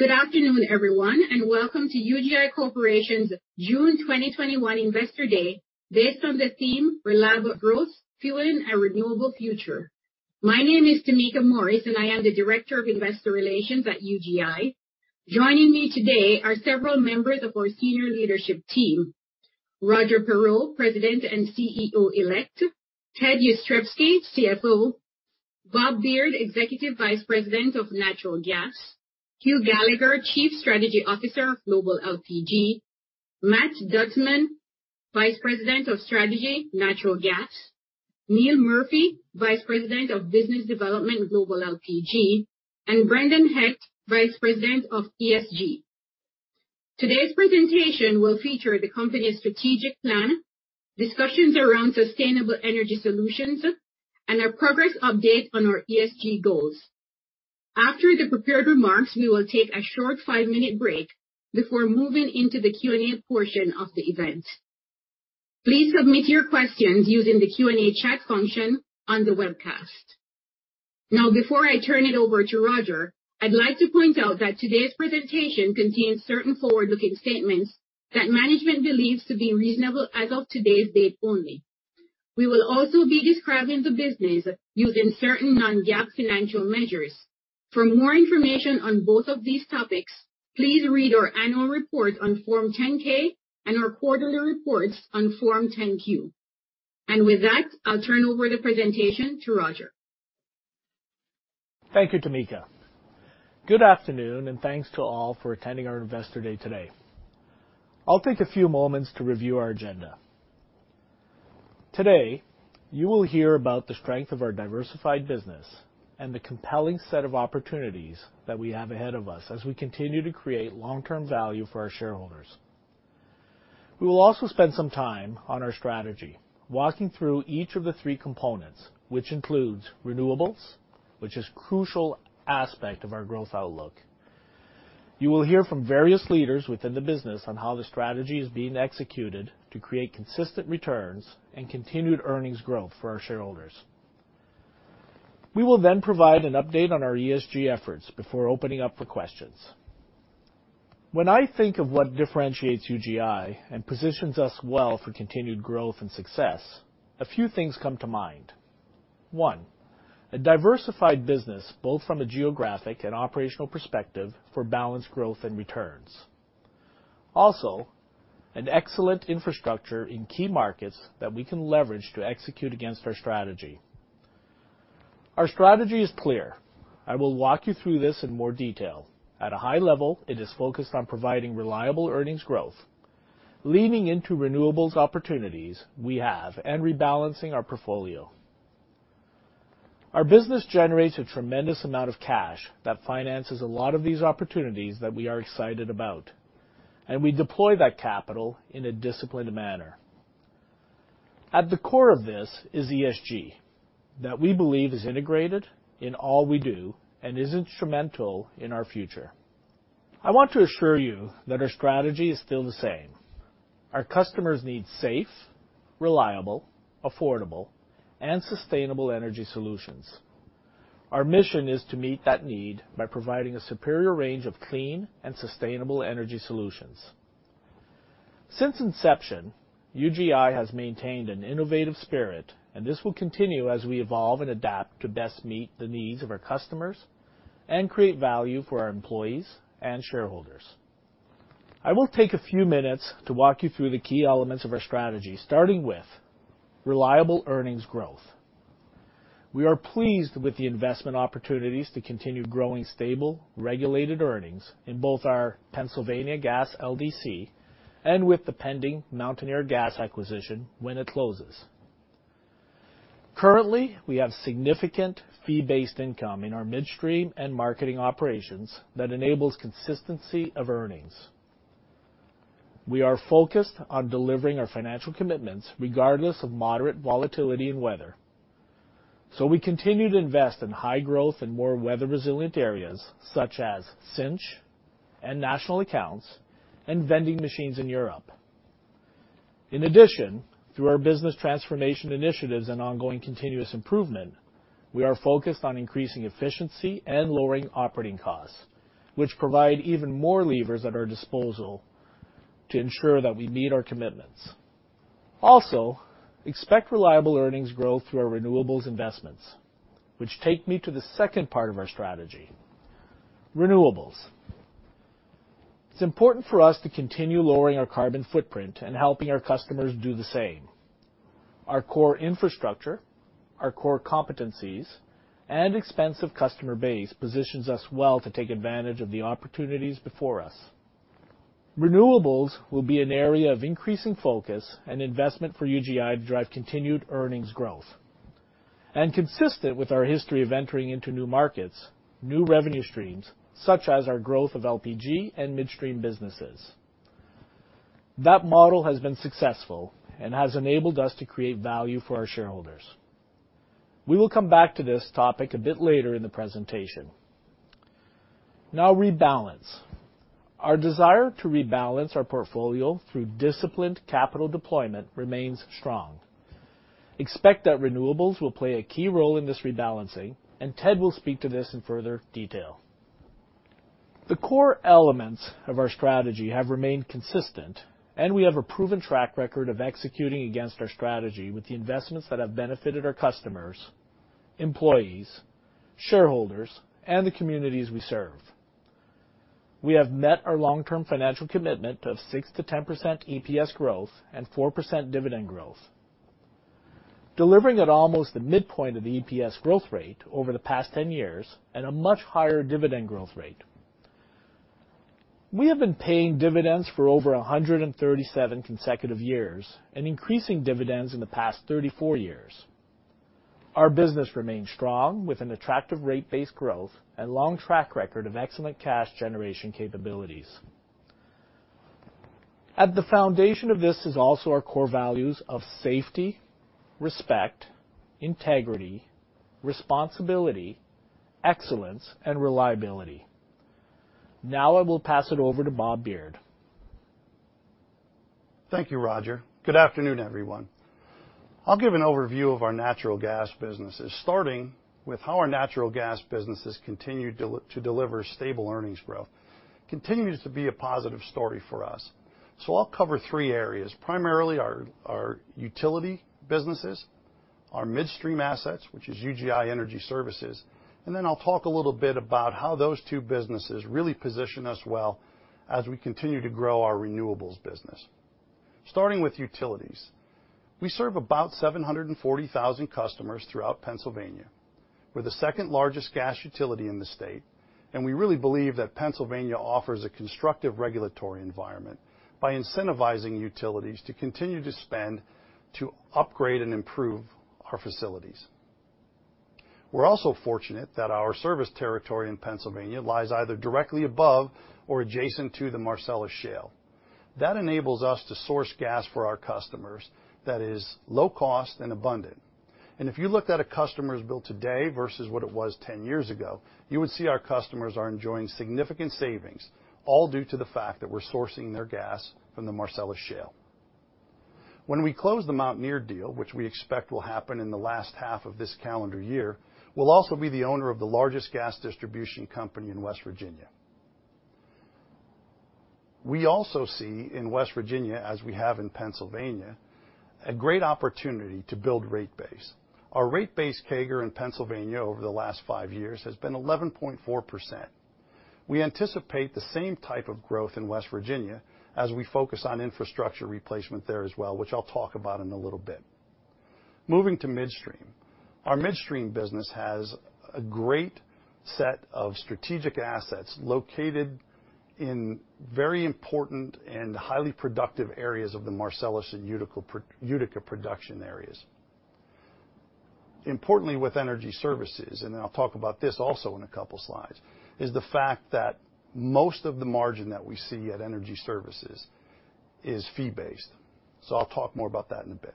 Good afternoon, everyone, and welcome to UGI Corporation's June 2021 Investor Day based on the theme Reliable Growth: Fueling Our Renewable Future. My name is Tameka Morris, and I am the Director of Investor Relations at UGI. Joining me today are several members of our senior leadership team. Roger Perreault, President and CEO Elect, Ted Jastrzebski, CFO, Robert Beard, Executive Vice President of Natural Gas, Hugh Gallagher, Chief Strategy Officer of Global LPG, Matt Gutzman, Vice President of Strategy, Natural Gas, Neil Murphy, Vice President of Business Development, Global LPG, and Brendan Heck, Vice President of ESG. Today's presentation will feature the company's strategic plan, DSICussions around sustainable energy solutions, and a progress update on our ESG goals. After the prepared remarks, we will take a short five-minute break before moving into the Q&A portion of the event. Please submit your questions using the Q&A chat function on the webcast. Before I turn it over to Roger, I'd like to point out that today's presentation contains certain forward-looking statements that management believes to be reasonable as of today's date only. We will also be describing the business using certain non-GAAP financial measures. For more information on both of these topics, please read our annual report on Form 10-K and our quarterly reports on Form 10-Q. With that, I'll turn over the presentation to Roger. Thank you, Tameka. Good afternoon, and thanks to all for attending our Investor Day today. I'll take a few moments to review our agenda. Today, you will hear about the strength of our diversified business and the compelling set of opportunities that we have ahead of us as we continue to create long-term value for our shareholders. We will also spend some time on our strategy, walking through each of the three components, which includes renewables, which is a crucial aspect of our growth outlook. You will hear from various leaders within the business on how the strategy is being executed to create consistent returns and continued earnings growth for our shareholders. We will then provide an update on our ESG efforts before opening up for questions. When I think of what differentiates UGI and positions us well for continued growth and success, a few things come to mind. One, a diversified business both from a geographic and operational perspective for balanced growth and returns. Also, an excellent infrastructure in key markets that we can leverage to execute against our strategy. Our strategy is clear. I will walk you through this in more detail. At a high level, it is focused on providing reliable earnings growth, leaning into renewables opportunities we have and rebalancing our portfolio. Our business generates a tremendous amount of cash that finances a lot of these opportunities that we are excited about, and we deploy that capital in a DSICiplined manner. At the core of this is ESG that we believe is integrated in all we do and is instrumental in our future. I want to assure you that our strategy is still the same. Our customers need safe, reliable, affordable, and sustainable energy solutions. Our mission is to meet that need by providing a superior range of clean and sustainable energy solutions. Since inception, UGI has maintained an innovative spirit, and this will continue as we evolve and adapt to best meet the needs of our customers and create value for our employees and shareholders. I will take a few minutes to walk you through the key elements of our strategy, starting with reliable earnings growth. We are pleased with the investment opportunities to continue growing stable, regulated earnings in both our Pennsylvania Gas LDC and with the pending Mountaineer Gas acquisition when it closes. Currently, we have significant fee-based income in our midstream and marketing operations that enables consistency of earnings. We are focused on delivering our financial commitments regardless of moderate volatility and weather. We continue to invest in high growth and more weather-resilient areas such as Cynch and National Accounts and vending machines in Europe. In addition, through our business transformation initiatives and ongoing continuous improvement, we are focused on increasing efficiency and lowering operating costs, which provide even more levers at our disposal to ensure that we meet our commitments. Expect reliable earnings growth through our renewables investments, which take me to the second part of our strategy. Renewables. It's important for us to continue lowering our carbon footprint and helping our customers do the same. Our core infrastructure, our core competencies, and expansive customer base positions us well to take advantage of the opportunities before us. Renewables will be an area of increasing focus and investment for UGI to drive continued earnings growth. Consistent with our history of entering into new markets, new revenue streams, such as our growth of LPG and midstream businesses. That model has been successful and has enabled us to create value for our shareholders. We will come back to this topic a bit later in the presentation. Rebalance. Our desire to rebalance our portfolio through DSICiplined capital deployment remains strong. Expect that renewables will play a key role in this rebalancing, and Ted will speak to this in further detail. The core elements of our strategy have remained consistent, and we have a proven track record of executing against our strategy with the investments that have benefited our customers, employees, shareholders, and the communities we serve. We have met our long-term financial commitment of 6%-10% EPS growth and 4% dividend growth, delivering at almost the midpoint of the EPS growth rate over the past 10 years and a much higher dividend growth rate. We have been paying dividends for over 137 consecutive years and increasing dividends in the past 34 years. Our business remains strong with an attractive rate base growth and long track record of excellent cash generation capabilities. At the foundation of this is also our core values of safety, respect, integrity, responsibility, excellence, and reliability. I will pass it over to Robert Beard. Thank you, Roger. Good afternoon, everyone. I'll give an overview of our natural gas businesses, starting with how our natural gas businesses continue to deliver stable earnings growth. Continues to be a positive story for us. I'll cover three areas, primarily our utility businesses, our midstream assets, which is UGI Energy Services, and then I'll talk a little bit about how those two businesses really position us well as we continue to grow our renewables business. Starting with utilities. We serve about 740,000 customers throughout Pennsylvania. We're the second largest gas utility in the state, and we really believe that Pennsylvania offers a constructive regulatory environment by incentivizing utilities to continue to spend to upgrade and improve our facilities. We're also fortunate that our service territory in Pennsylvania lies either directly above or adjacent to the Marcellus Shale. That enables us to source gas for our customers that is low cost and abundant. If you looked at a customer's bill today versus what it was 10 years ago, you would see our customers are enjoying significant savings, all due to the fact that we're sourcing their gas from the Marcellus Shale. When we close the Mountaineer deal, which we expect will happen in the last half of this calendar year, we'll also be the owner of the largest gas distribution company in West Virginia. We also see in West Virginia, as we have in Pennsylvania, a great opportunity to build rate base. Our rate base CAGR in Pennsylvania over the last 5 years has been 11.4%. We anticipate the same type of growth in West Virginia as we focus on infrastructure replacement there as well, which I'll talk about in a little bit. Moving to midstream. Our midstream business has a great set of strategic assets located in very important and highly productive areas of the Marcellus and Utica production areas. Importantly, with UGI Energy Services, and I'll talk about this also in a couple slides, is the fact that most of the margin that we see at UGI Energy Services is fee-based. I'll talk more about that in a bit.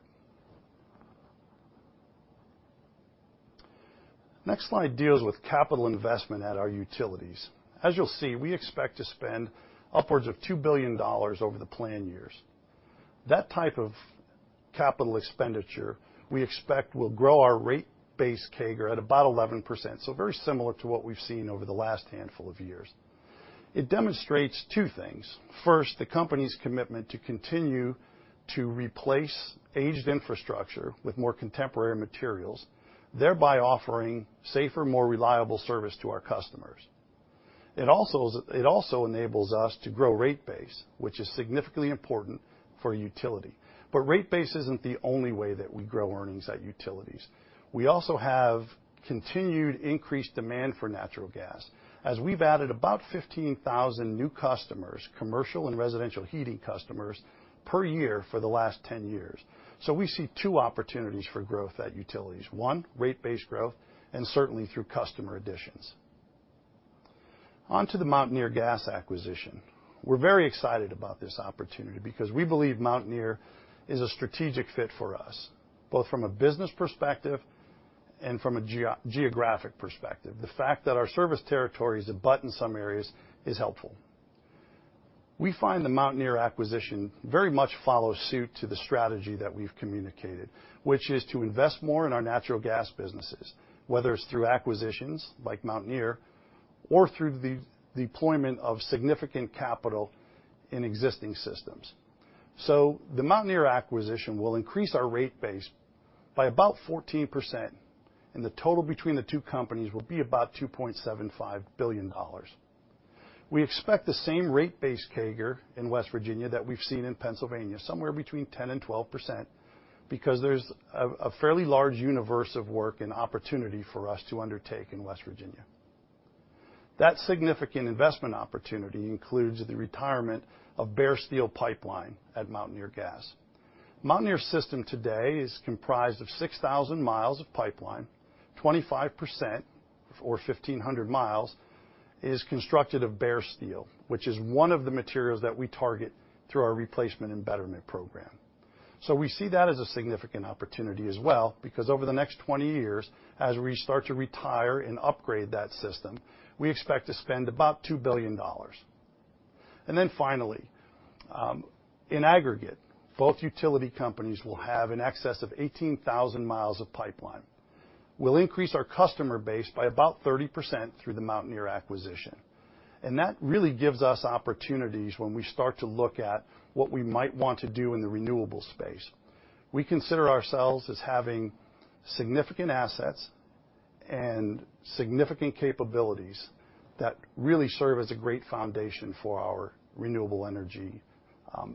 Next slide deals with capital investment at our utilities. As you'll see, we expect to spend upwards of $2 billion over the plan years. That type of capital expenditure we expect will grow our rate base CAGR at about 11%, so very similar to what we've seen over the last handful of years. It demonstrates two things. First, the company's commitment to continue to replace aged infrastructure with more contemporary materials, thereby offering safer, more reliable service to our customers. It also enables us to grow rate base, which is significantly important for a utility. Rate base isn't the only way that we grow earnings at utilities. We also have continued increased demand for natural gas, as we've added about 15,000 new customers, commercial and residential heating customers, per year for the last 10 years. We see two opportunities for growth at utilities. One, rate base growth, and certainly through customer additions. On to the Mountaineer Gas acquisition. We're very excited about this opportunity because we believe Mountaineer is a strategic fit for us, both from a business perspective and from a geographic perspective. The fact that our service territories abut in some areas is helpful. We find the Mountaineer acquisition very much follows suit to the strategy that we've communicated, which is to invest more in our natural gas businesses, whether it's through acquisitions like Mountaineer or through the deployment of significant capital in existing systems. The Mountaineer acquisition will increase our rate base by about 14%, and the total between the two companies will be about $2.75 billion. We expect the same rate base CAGR in West Virginia that we've seen in Pennsylvania, somewhere between 10% and 12%, because there's a fairly large universe of work and opportunity for us to undertake in West Virginia. That significant investment opportunity includes the retirement of bare steel pipeline at Mountaineer Gas. Mountaineer's system today is comprised of 6,000 miles of pipeline, 25%, or 1,500 mil, is constructed of bare steel, which is one of the materials that we target through our replacement and betterment program. We see that as a significant opportunity as well because over the next 20 years, as we start to retire and upgrade that system, we expect to spend about $2 billion. Finally, in aggregate, both utility companies will have in excess of 18,000 miles of pipeline. We'll increase our customer base by about 30% through the Mountaineer acquisition, and that really gives us opportunities when we start to look at what we might want to do in the renewables space. We consider ourselves as having significant assets and significant capabilities that really serve as a great foundation for our renewable energy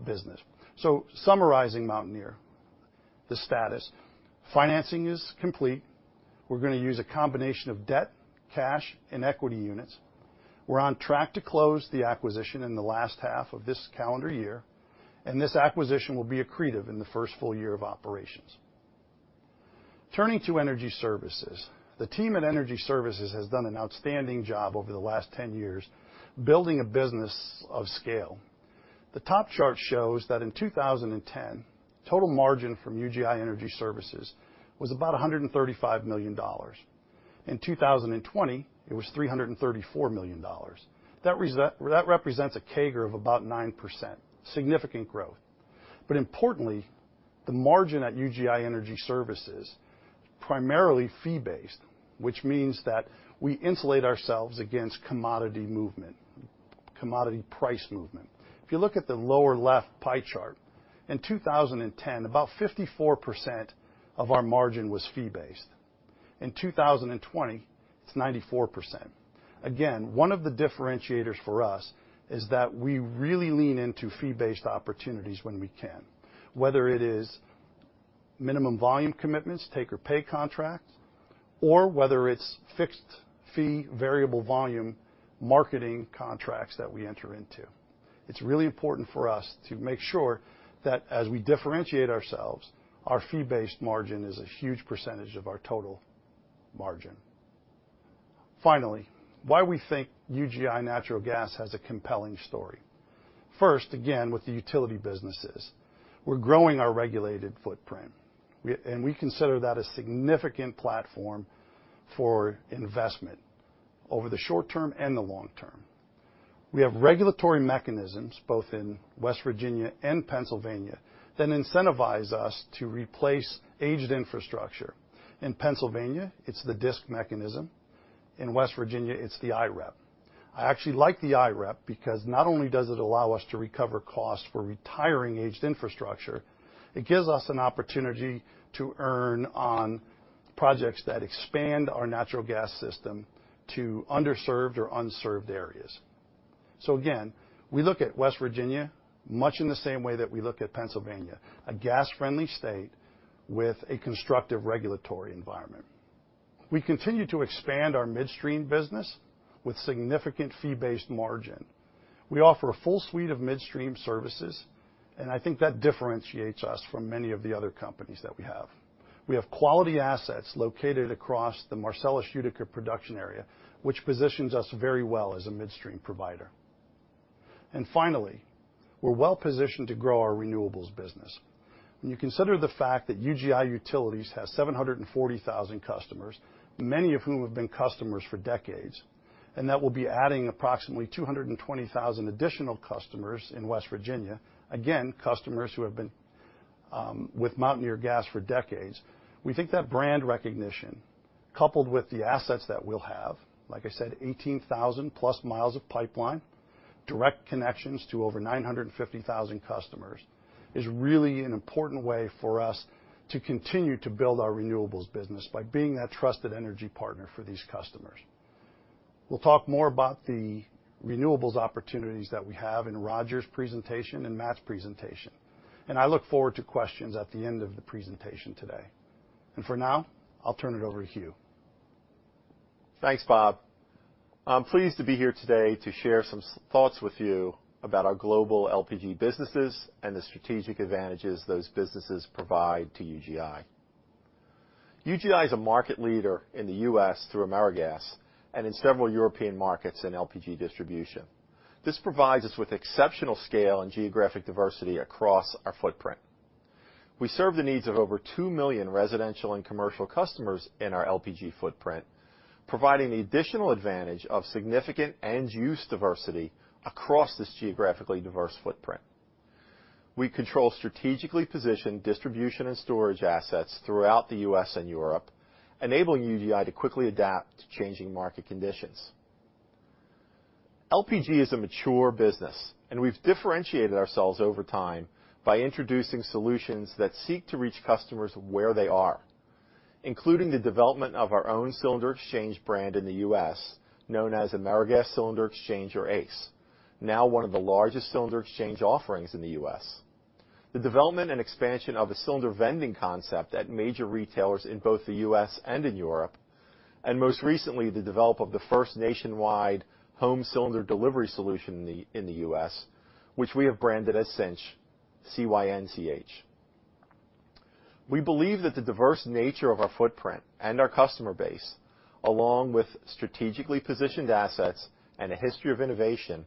business. Summarizing Mountaineer, the status. Financing is complete. We're going to use a combination of debt, cash, and equity units. We're on track to close the acquisition in the last half of this calendar year. This acquisition will be accretive in the first full year of operations. Turning to Energy Services. The team at Energy Services has done an outstanding job over the last 10 years building a business of scale. The top chart shows that in 2010, total margin from UGI Energy Services was about $135 million. In 2020, it was $334 million. That represents a CAGR of about 9%, significant growth. Importantly, the margin at UGI Energy Services, primarily fee-based, which means that we insulate ourselves against commodity movement, commodity price movement. If you look at the lower left pie chart, in 2010, about 54% of our margin was fee-based. In 2020, it's 94%. Again, one of the differentiators for us is that we really lean into fee-based opportunities when we can, whether it is minimum volume commitments, take or pay contract, or whether it's fixed fee, variable volume marketing contracts that we enter into. It's really important for us to make sure that as we differentiate ourselves, our fee-based margin is a huge percentage of our total margin. Finally, why we think UGI Natural Gas has a compelling story. First, again, with the utility businesses. We're growing our regulated footprint, and we consider that a significant platform for investment over the short term and the long term. We have regulatory mechanisms both in West Virginia and Pennsylvania that incentivize us to replace aged infrastructure. In Pennsylvania, it's the DSIC mechanism. In West Virginia, it's the IREP. I actually like the IREP because not only does it allow us to recover costs for retiring aged infrastructure, it gives us an opportunity to earn on projects that expand our natural gas system to underserved or unserved areas. Again, we look at West Virginia much in the same way that we look at Pennsylvania, a gas-friendly state with a constructive regulatory environment. We continue to expand our midstream business with significant fee-based margin. We offer a full suite of midstream services, and I think that differentiates us from many of the other companies that we have. We have quality assets located across the Marcellus-Utica production area, which positions us very well as a midstream provider. Finally, we're well-positioned to grow our renewables business. When you consider the fact that UGI Utilities has 740,000 customers, many of whom have been customers for decades, and that will be adding approximately 220,000 additional customers in West Virginia, again, customers who have been with Mountaineer Gas for decades, we think that brand recognition, coupled with the assets that we'll have, like I said, 18,000 plus miles of pipeline, direct connections to over 950,000 customers, is really an important way for us to continue to build our renewables business by being a trusted energy partner for these customers. We'll talk more about the renewables opportunities that we have in Roger Perreault's presentation and Matt's presentation. I look forward to questions at the end of the presentation today. For now, I'll turn it over to Hugh. Thanks, Bob. I'm pleased to be here today to share some thoughts with you about our global LPG businesses and the strategic advantages those businesses provide to UGI. UGI is a market leader in the U.S. through AmeriGas and in several European markets in LPG distribution. This provides us with exceptional scale and geographic diversity across our footprint. We serve the needs of over 2 million residential and commercial customers in our LPG footprint, providing the additional advantage of significant end use diversity across this geographically diverse footprint. We control strategically positioned distribution and storage assets throughout the U.S. and Europe, enabling UGI to quickly adapt to changing market conditions. LPG is a mature business, and we've differentiated ourselves over time by introducing solutions that seek to reach customers where they are, including the development of our own cylinder exchange brand in the U.S., known as AmeriGas Cylinder Exchange or ACE, now one of the largest cylinder exchange offerings in the U.S. The development and expansion of a cylinder vending concept at major retailers in both the U.S. and in Europe, and most recently, the develop of the first nationwide home cylinder delivery solution in the U.S., which we have branded as Cynch, C-Y-N-C-H. We believe that the diverse nature of our footprint and our customer base, along with strategically positioned assets and a history of innovation,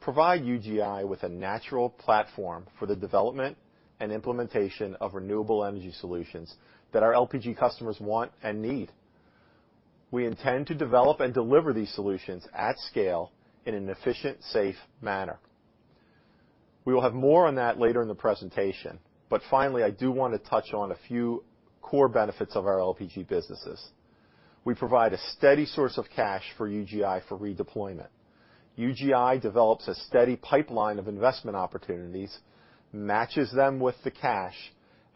provide UGI with a natural platform for the development and implementation of renewable energy solutions that our LPG customers want and need. We intend to develop and deliver these solutions at scale in an efficient, safe manner. We will have more on that later in the presentation. Finally, I do want to touch on a few core benefits of our LPG businesses. We provide a steady source of cash for UGI for redeployment. UGI develops a steady pipeline of investment opportunities, matches them with the cash,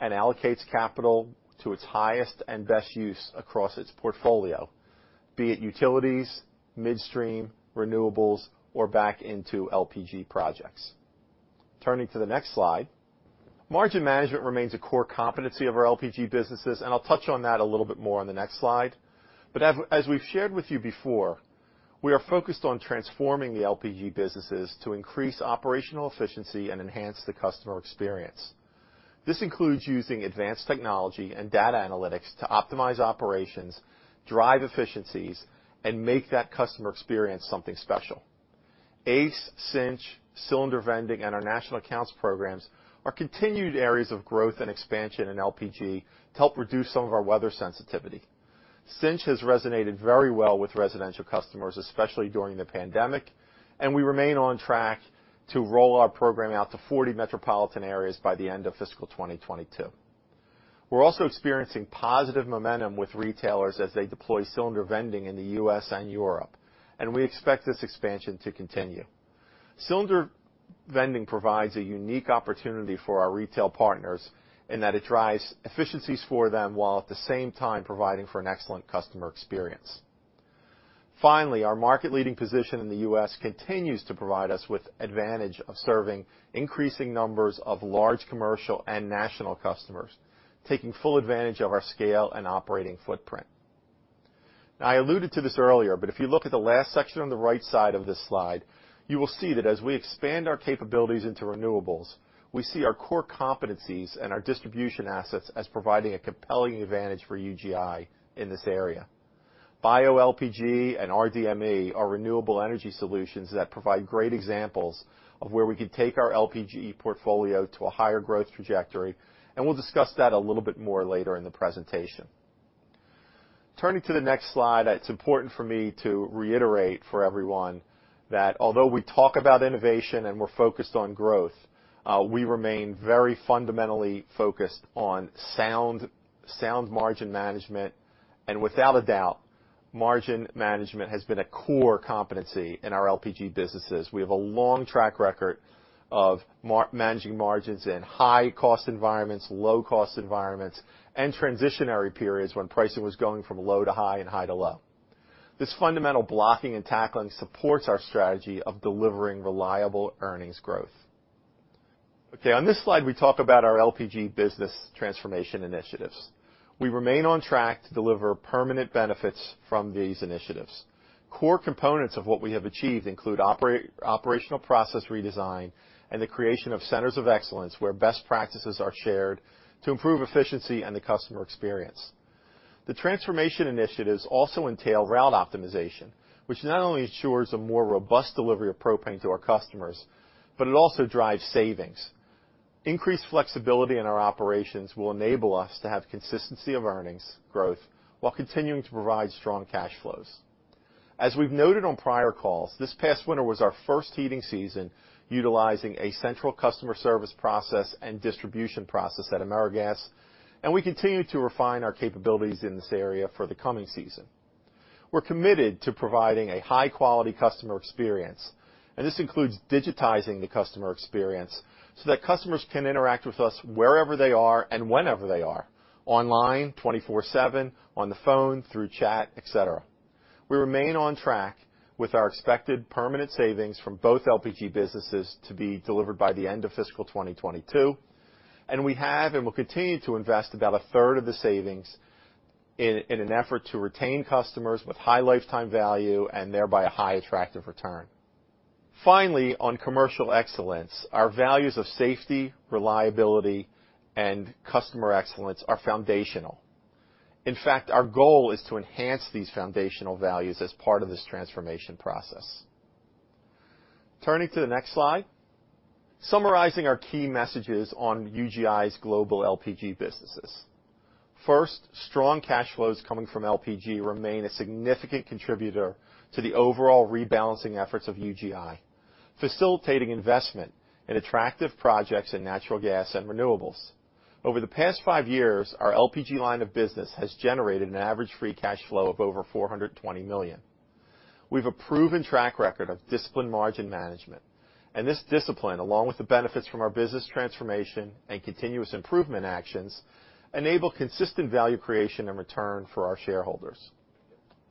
and allocates capital to its highest and best use across its portfolio, be it utilities, midstream, renewables, or back into LPG projects. Turning to the next slide. Margin management remains a core competency of our LPG businesses. I'll touch on that a little bit more on the next slide. As we've shared with you before, we are focused on transforming the LPG businesses to increase operational efficiency and enhance the customer experience. This includes using advanced technology and data analytics to optimize operations, drive efficiencies, and make that customer experience something special. ACE, Cynch, Cylinder Vending, and our National Accounts programs are continued areas of growth and expansion in LPG to help reduce some of our weather sensitivity. Cynch has resonated very well with residential customers, especially during the pandemic. We remain on track to roll our program out to 40 metropolitan areas by the end of fiscal 2022. We're also experiencing positive momentum with retailers as they deploy Cylinder Vending in the U.S. and Europe. We expect this expansion to continue. Cylinder Vending provides a unique opportunity for our retail partners in that it drives efficiencies for them, while at the same time providing for an excellent customer experience. Our market-leading position in the U.S. continues to provide us with advantage of serving increasing numbers of large commercial and National Accounts customers, taking full advantage of our scale and operating footprint. I alluded to this earlier, if you look at the last section on the right side of this slide, you will see that as we expand our capabilities into renewables, we see our core competencies and our distribution assets as providing a compelling advantage for UGI in this area. bioLPG and rDME are renewable energy solutions that provide great examples of where we could take our LPG portfolio to a higher growth trajectory, we'll DSICuss that a little bit more later in the presentation. Turning to the next slide, it's important for me to reiterate for everyone that although we talk about innovation and we're focused on growth, we remain very fundamentally focused on sound margin management. Without a doubt, margin management has been a core competency in our LPG businesses. We have a long track record of managing margins in high-cost environments, low-cost environments, and transitionary periods when pricing was going from low to high and high to low. This fundamental blocking and tackling supports our strategy of delivering reliable earnings growth. Okay, on this slide, we talk about our LPG business transformation initiatives. We remain on track to deliver permanent benefits from these initiatives. Core components of what we have achieved include operational process redesign and the creation of centers of excellence where best practices are shared to improve efficiency and the customer experience. The transformation initiatives also entail route optimization, which not only ensures a more robust delivery of propane to our customers, but it also drives savings. Increased flexibility in our operations will enable us to have consistency of earnings growth while continuing to provide strong cash flows. As we've noted on prior calls, this past winter was our first heating season utilizing a central customer service process and distribution process at AmeriGas, and we continue to refine our capabilities in this area for the coming season. This includes digitizing the customer experience so that customers can interact with us wherever they are and whenever they are, online, 24/7, on the phone, through chat, et cetera. We remain on track with our expected permanent savings from both LPG businesses to be delivered by the end of fiscal 2022. We have, and will continue, to invest about a third of the savings in an effort to retain customers with high lifetime value and thereby a high attractive return. Finally, on commercial excellence, our values of safety, reliability, and customer excellence are foundational. In fact, our goal is to enhance these foundational values as part of this transformation process. Turning to the next slide. Summarizing our key messages on UGI's global LPG businesses. First, strong cash flows coming from LPG remain a significant contributor to the overall rebalancing efforts of UGI, facilitating investment in attractive projects in natural gas and renewables. Over the past five years, our LPG line of business has generated an average free cash flow of over $420 million. We've a proven track record of DSICiplined margin management, and this DSICipline, along with the benefits from our business transformation and continuous improvement actions, enable consistent value creation and return for our shareholders.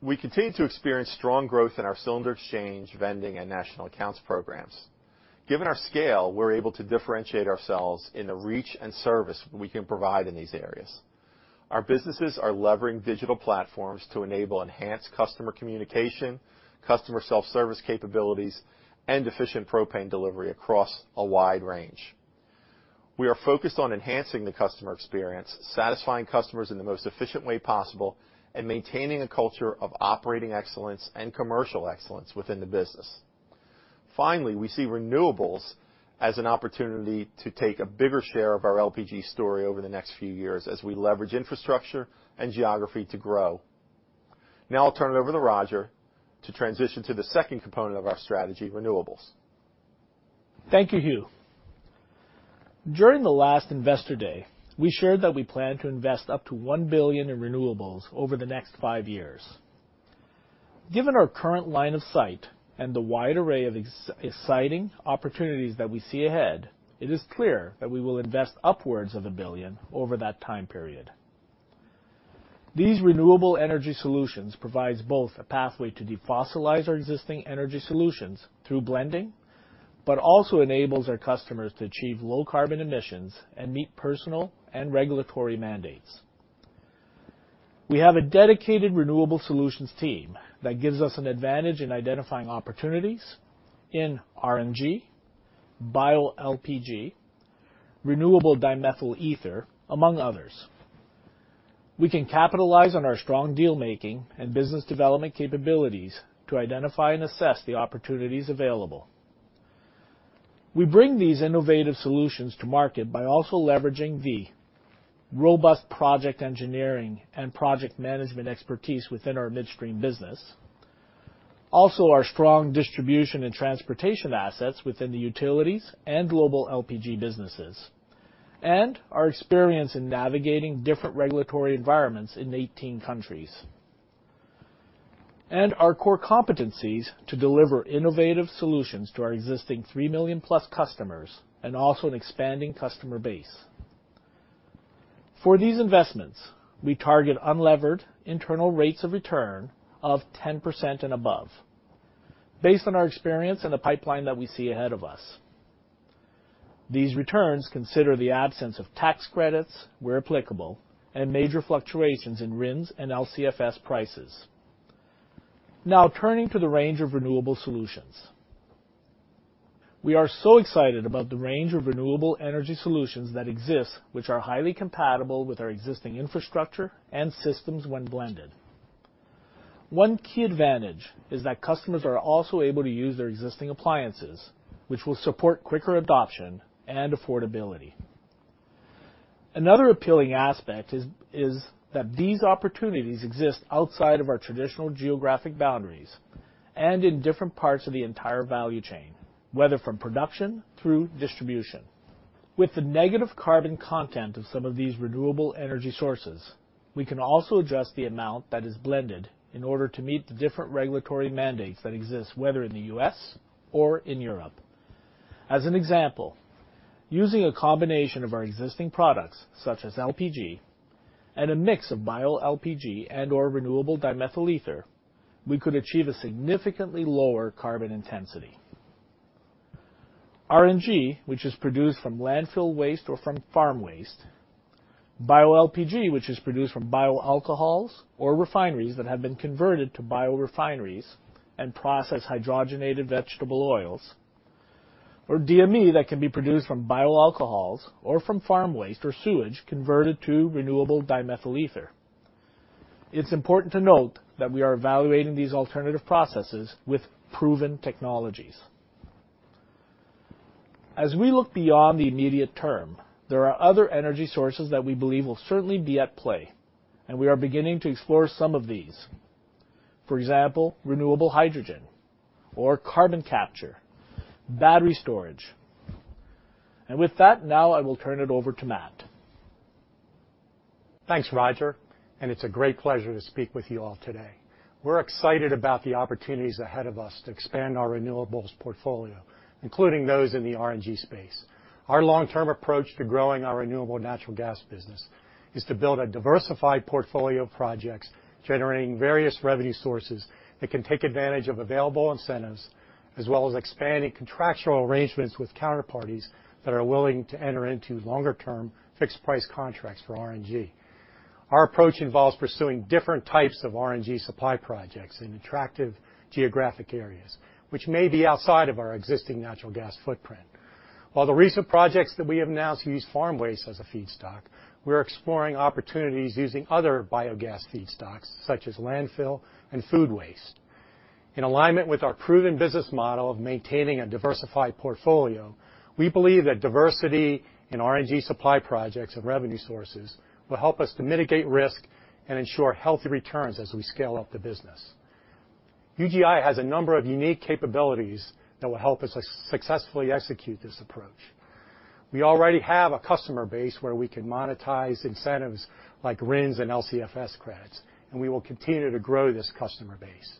We continue to experience strong growth in our Cylinder Exchange Vending and National Accounts programs. Given our scale, we're able to differentiate ourselves in the reach and service we can provide in these areas. Our businesses are levering digital platforms to enable enhanced customer communication, customer self-service capabilities, and efficient propane delivery across a wide range. We are focused on enhancing the customer experience, satisfying customers in the most efficient way possible, and maintaining a culture of operating excellence and commercial excellence within the business. We see renewables as an opportunity to take a bigger share of our LPG story over the next few years as we leverage infrastructure and geography to grow. I'll turn it over to Roger to transition to the second component of our strategy, renewables. Thank you, Hugh. During the last Investor Day, we shared that we plan to invest up to $1 billion in renewables over the next five years. Given our current line of sight and the wide array of exciting opportunities that we see ahead, it is clear that we will invest upwards of a billion over that time period. These renewable energy solutions provide both a pathway to defossilize our existing energy solutions through blending, but also enables our customers to achieve low carbon emissions and meet personal and regulatory mandates. We have a dedicated renewable solutions team that gives us an advantage in identifying opportunities in RNG, bioLPG, renewable dimethyl ether, among others. We can capitalize on our strong deal-making and business development capabilities to identify and assess the opportunities available. We bring these innovative solutions to market by also leveraging the robust project engineering and project management expertise within our midstream business. Our strong distribution and transportation assets within the utilities and global LPG businesses, and our experience in navigating different regulatory environments in 18 countries. Our core competencies to deliver innovative solutions to our existing 3 million plus customers and also an expanding customer base. For these investments, we target unlevered internal rates of return of 10% and above based on our experience and the pipeline that we see ahead of us. These returns consider the absence of tax credits, where applicable, and major fluctuations in RINs and LCFS prices. Turning to the range of renewable solutions. We are so excited about the range of renewable energy solutions that exist, which are highly compatible with our existing infrastructure and systems when blended. One key advantage is that customers are also able to use their existing appliances, which will support quicker adoption and affordability. Another appealing aspect is that these opportunities exist outside of our traditional geographic boundaries and in different parts of the entire value chain, whether from production through distribution. With the negative carbon content of some of these renewable energy sources, we can also adjust the amount that is blended in order to meet the different regulatory mandates that exist, whether in the U.S. or in Europe. As an example, using a combination of our existing products such as LPG and a mix of bioLPG and/or renewable dimethyl ether, we could achieve a significantly lower carbon intensity. RNG, which is produced from landfill waste or from farm waste, bioLPG, which is produced from bioalcohols or refineries that have been converted to biorefineries and process hydrogenated vegetable oils, or DME that can be produced from bioalcohols or from farm waste or sewage converted to renewable dimethyl ether. It's important to note that we are evaluating these alternative processes with proven technologies. As we look beyond the immediate term, there are other energy sources that we believe will certainly be at play, and we are beginning to explore some of these. For example, renewable hydrogen or carbon capture, battery storage. With that, now I will turn it over to Matt. Thanks, Roger. It's a great pleasure to speak with you all today. We're excited about the opportunities ahead of us to expand our renewables portfolio, including those in the RNG space. Our long-term approach to growing our renewable natural gas business is to build a diversified portfolio of projects generating various revenue sources that can take advantage of available incentives, as well as expanding contractual arrangements with counterparties that are willing to enter into longer-term fixed-price contracts for RNG. Our approach involves pursuing different types of RNG supply projects in attractive geographic areas, which may be outside of our existing natural gas footprint. While the recent projects that we have announced use farm waste as a feedstock, we are exploring opportunities using other biogas feedstocks such as landfill and food waste. In alignment with our proven business model of maintaining a diversified portfolio, we believe that diversity in RNG supply projects and revenue sources will help us to mitigate risk and ensure healthy returns as we scale up the business. UGI has a number of unique capabilities that will help us successfully execute this approach. We already have a customer base where we can monetize incentives like RINs and LCFS credits, and we will continue to grow this customer base.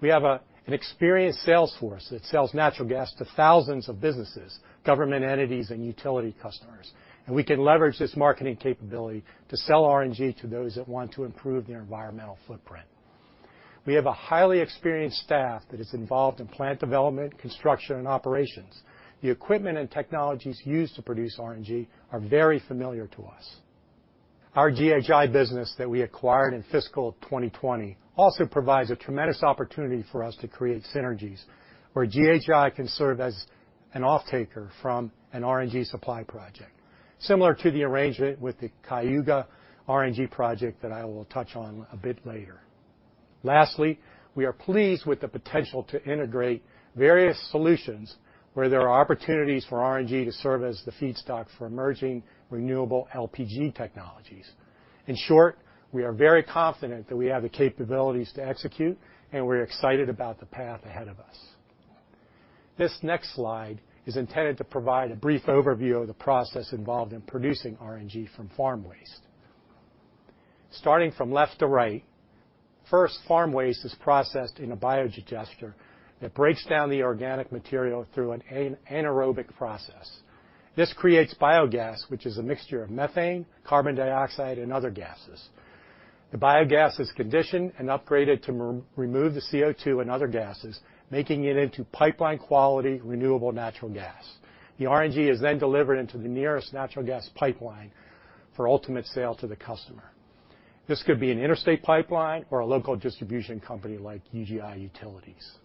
We have an experienced sales force that sells natural gas to thousands of businesses, government entities, and utility customers, and we can leverage this marketing capability to sell RNG to those that want to improve their environmental footprint. We have a highly experienced staff that is involved in plant development, construction, and operations. The equipment and technologies used to produce RNG are very familiar to us. Our GHI business that we acquired in fiscal 2020 also provides a tremendous opportunity for us to create synergies where GHI can serve as an offtaker from an RNG supply project. Similar to the arrangement with the Cayuga RNG project that I will touch on a bit later. Lastly, we are pleased with the potential to integrate various solutions where there are opportunities for RNG to serve as the feedstock for emerging renewable LPG technologies. In short, we are very confident that we have the capabilities to execute, and we're excited about the path ahead of us. This next slide is intended to provide a brief overview of the process involved in producing RNG from farm waste. Starting from left to right, first, farm waste is processed in a biodigester that breaks down the organic material through an anaerobic process. This creates biogas, which is a mixture of methane, carbon dioxide, and other gases. The biogas is conditioned and upgraded to remove the CO2 and other gases, making it into pipeline-quality, renewable natural gas. The RNG is then delivered into the nearest natural gas pipeline for ultimate sale to the customer. This could be an interstate pipeline or a local distribution company like UGI Utilities.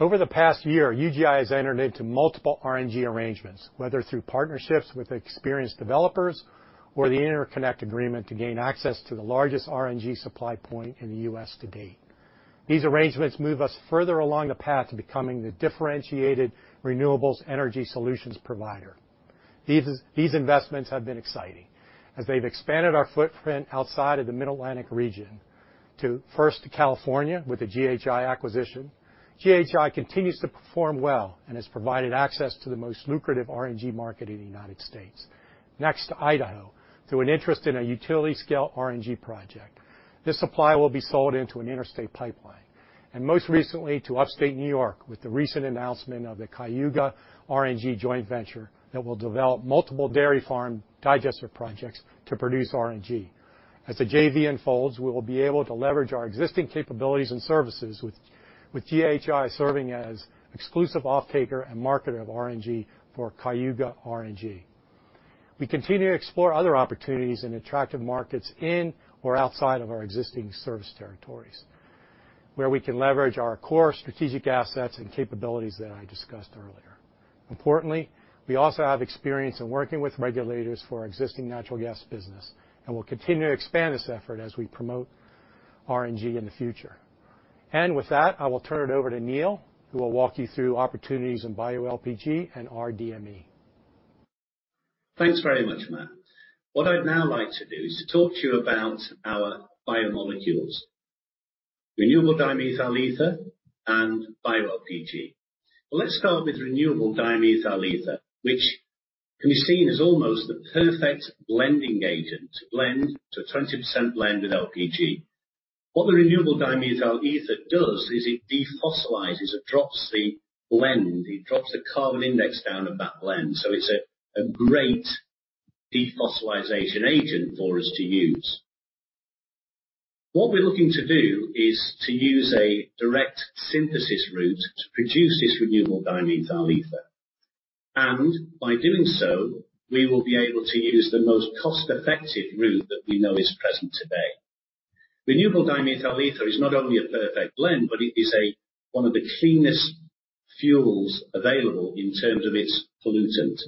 Over the past year, UGI has entered into multiple RNG arrangements, whether through partnerships with experienced developers or the interconnect agreement to gain access to the largest RNG supply point in the U.S. to date. These arrangements move us further along the path to becoming the differentiated renewables energy solutions provider. These investments have been exciting as they've expanded our footprint outside of the Mid-Atlantic region to first to California with the GHI acquisition. GHI continues to perform well and has provided access to the most lucrative RNG market in the United States. Next to Idaho, through an interest in a utility-scale RNG project. This supply will be sold into an interstate pipeline. Most recently to upstate New York with the recent announcement of the Cayuga RNG joint venture that will develop multiple dairy farm digester projects to produce RNG. As the JV unfolds, we will be able to leverage our existing capabilities and services with GHI serving as exclusive offtaker and marketer of RNG for Cayuga RNG. We continue to explore other opportunities in attractive markets in or outside of our existing service territories, where we can leverage our core strategic assets and capabilities that I DSICussed earlier. Importantly, we also have experience in working with regulators for our existing natural gas business and will continue to expand this effort as we promote RNG in the future. With that, I will turn it over to Neil, who will walk you through opportunities in bioLPG and rDME. Thanks very much, Matt. What I'd now like to do is to talk to you about our biomolecules, renewable dimethyl ether, and bioLPG. Let's start with renewable dimethyl ether, which can be seen as almost the perfect blending agent to blend to 20% blend with LPG. What the renewable dimethyl ether does is it defossilizes. It drops the blend, it drops the carbon index down of that blend. It's a great defossilization agent for us to use. What we're looking to do is to use a direct synthesis route to produce this renewable dimethyl ether. By doing so, we will be able to use the most cost-effective route that we know is present today. Renewable dimethyl ether is not only a perfect blend, but it is one of the cleanest fuels available in terms of its pollutant.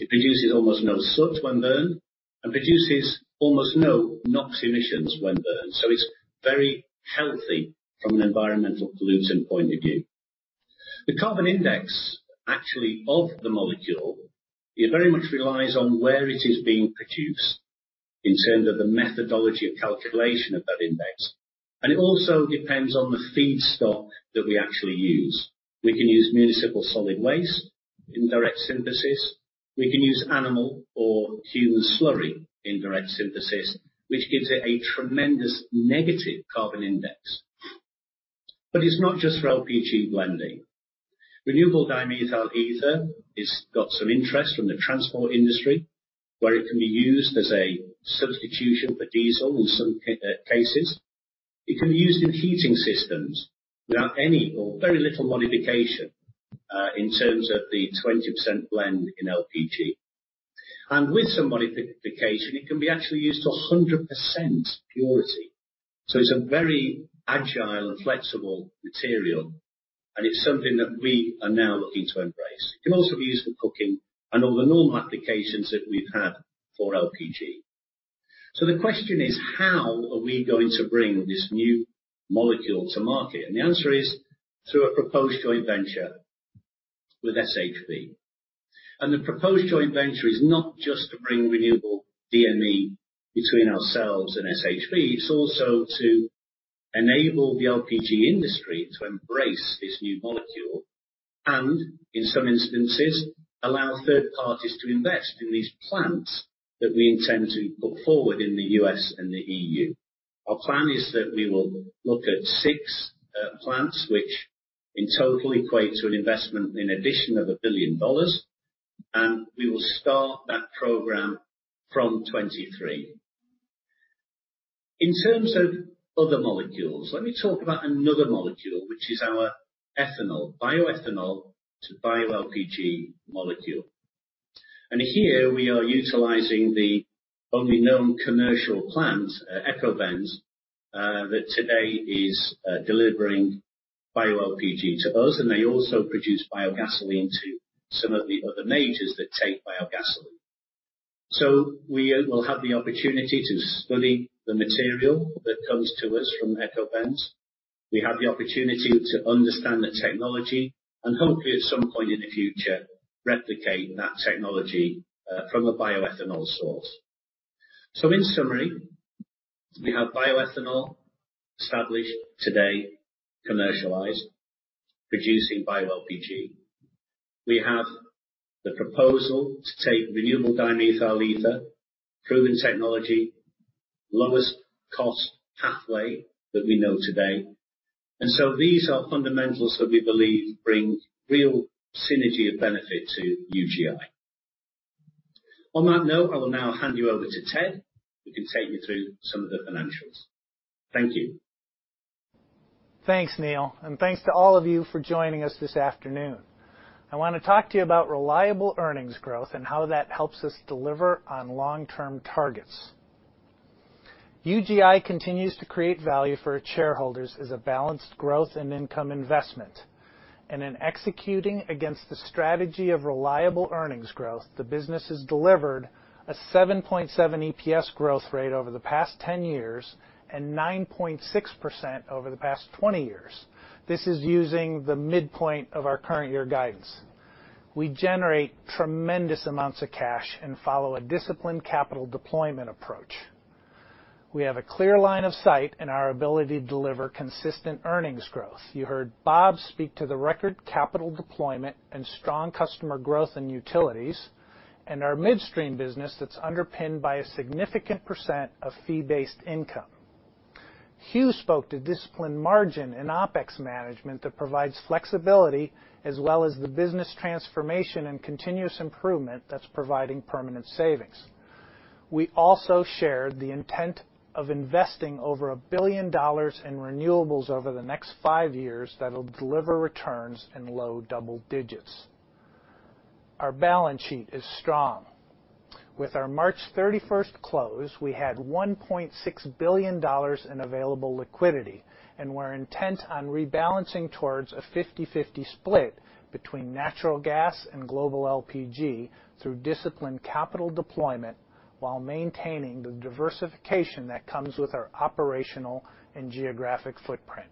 It produces almost no soot when burned and produces almost no NOx emissions when burned. It's very healthy from an environmental pollutant point of view. The carbon index actually of the molecule, it very much relies on where it is being produced in terms of the methodology of calculation of that index. It also depends on the feedstock that we actually use. We can use municipal solid waste in direct synthesis. We can use animal or human slurry in direct synthesis, which gives it a tremendous negative carbon index. It's not just for LPG blending. Renewable dimethyl ether, it's got some interest from the transport industry, where it can be used as a substitution for diesel in some cases. It can be used in heating systems without any or very little modification, in terms of the 20% blend in LPG. With some modification, it can be actually used to 100% purity. It's a very agile and flexible material, and it's something that we are now looking to embrace. It can also be used for cooking and all the normal applications that we've had for LPG. The question is, how are we going to bring this new molecule to market? The answer is through a proposed joint venture with SHV. The proposed joint venture is not just to bring renewable DME between ourselves and SHV, it's also to enable the LPG industry to embrace this new molecule and, in some instances, allow third parties to invest in these plants that we intend to put forward in the U.S. and the E.U. Our plan is that we will look at six plants, which in total equate to an investment in addition of $1 billion, we will start that program from 2023. In terms of other molecules, let me talk about another molecule, which is our ethanol, bioethanol to bioLPG molecule. Here we are utilizing the only known commercial plant, Ekobenz, that today is delivering bioLPG to us, they also produce biogasoline to some of the other majors that take biogasoline. We will have the opportunity to study the material that comes to us from Ekobenz. We have the opportunity to understand the technology and hopefully at some point in the future replicate that technology from a bioethanol source. In summary, we have bioethanol established today, commercialized, producing bioLPG. We have the proposal to take renewable dimethyl ether, proven technology, lowest-cost pathway that we know today. These are fundamentals that we believe bring real synergy of benefit to UGI. On that note, I will now hand you over to Ted, who can take you through some of the financials. Thank you. Thanks, Neil, thanks to all of you for joining us this afternoon. I want to talk to you about reliable earnings growth and how that helps us deliver on long-term targets. UGI continues to create value for its shareholders as a balanced growth and income investment. In executing against the strategy of reliable earnings growth, the business has delivered a 7.7 EPS growth rate over the past 10 years and 9.6% over the past 20 years. This is using the midpoint of our current year guidance. We generate tremendous amounts of cash and follow a DSICiplined capital deployment approach. We have a clear line of sight in our ability to deliver consistent earnings growth. You heard Bob speak to the record capital deployment and strong customer growth in UGI Utilities and our midstream business that's underpinned by a significant % of fee-based income. Hugh Gallagher spoke to DSICiplined margin and OpEx management that provides flexibility as well as the business transformation and continuous improvement that's providing permanent savings. We also shared the intent of investing over $1 billion in renewables over the next five years that'll deliver returns in low double digits. Our balance sheet is strong. With our March 31st close, we had $1.6 billion in available liquidity, and we're intent on rebalancing towards a 50-50 split between natural gas and Global LPG through DSICiplined capital deployment while maintaining the diversification that comes with our operational and geographic footprint.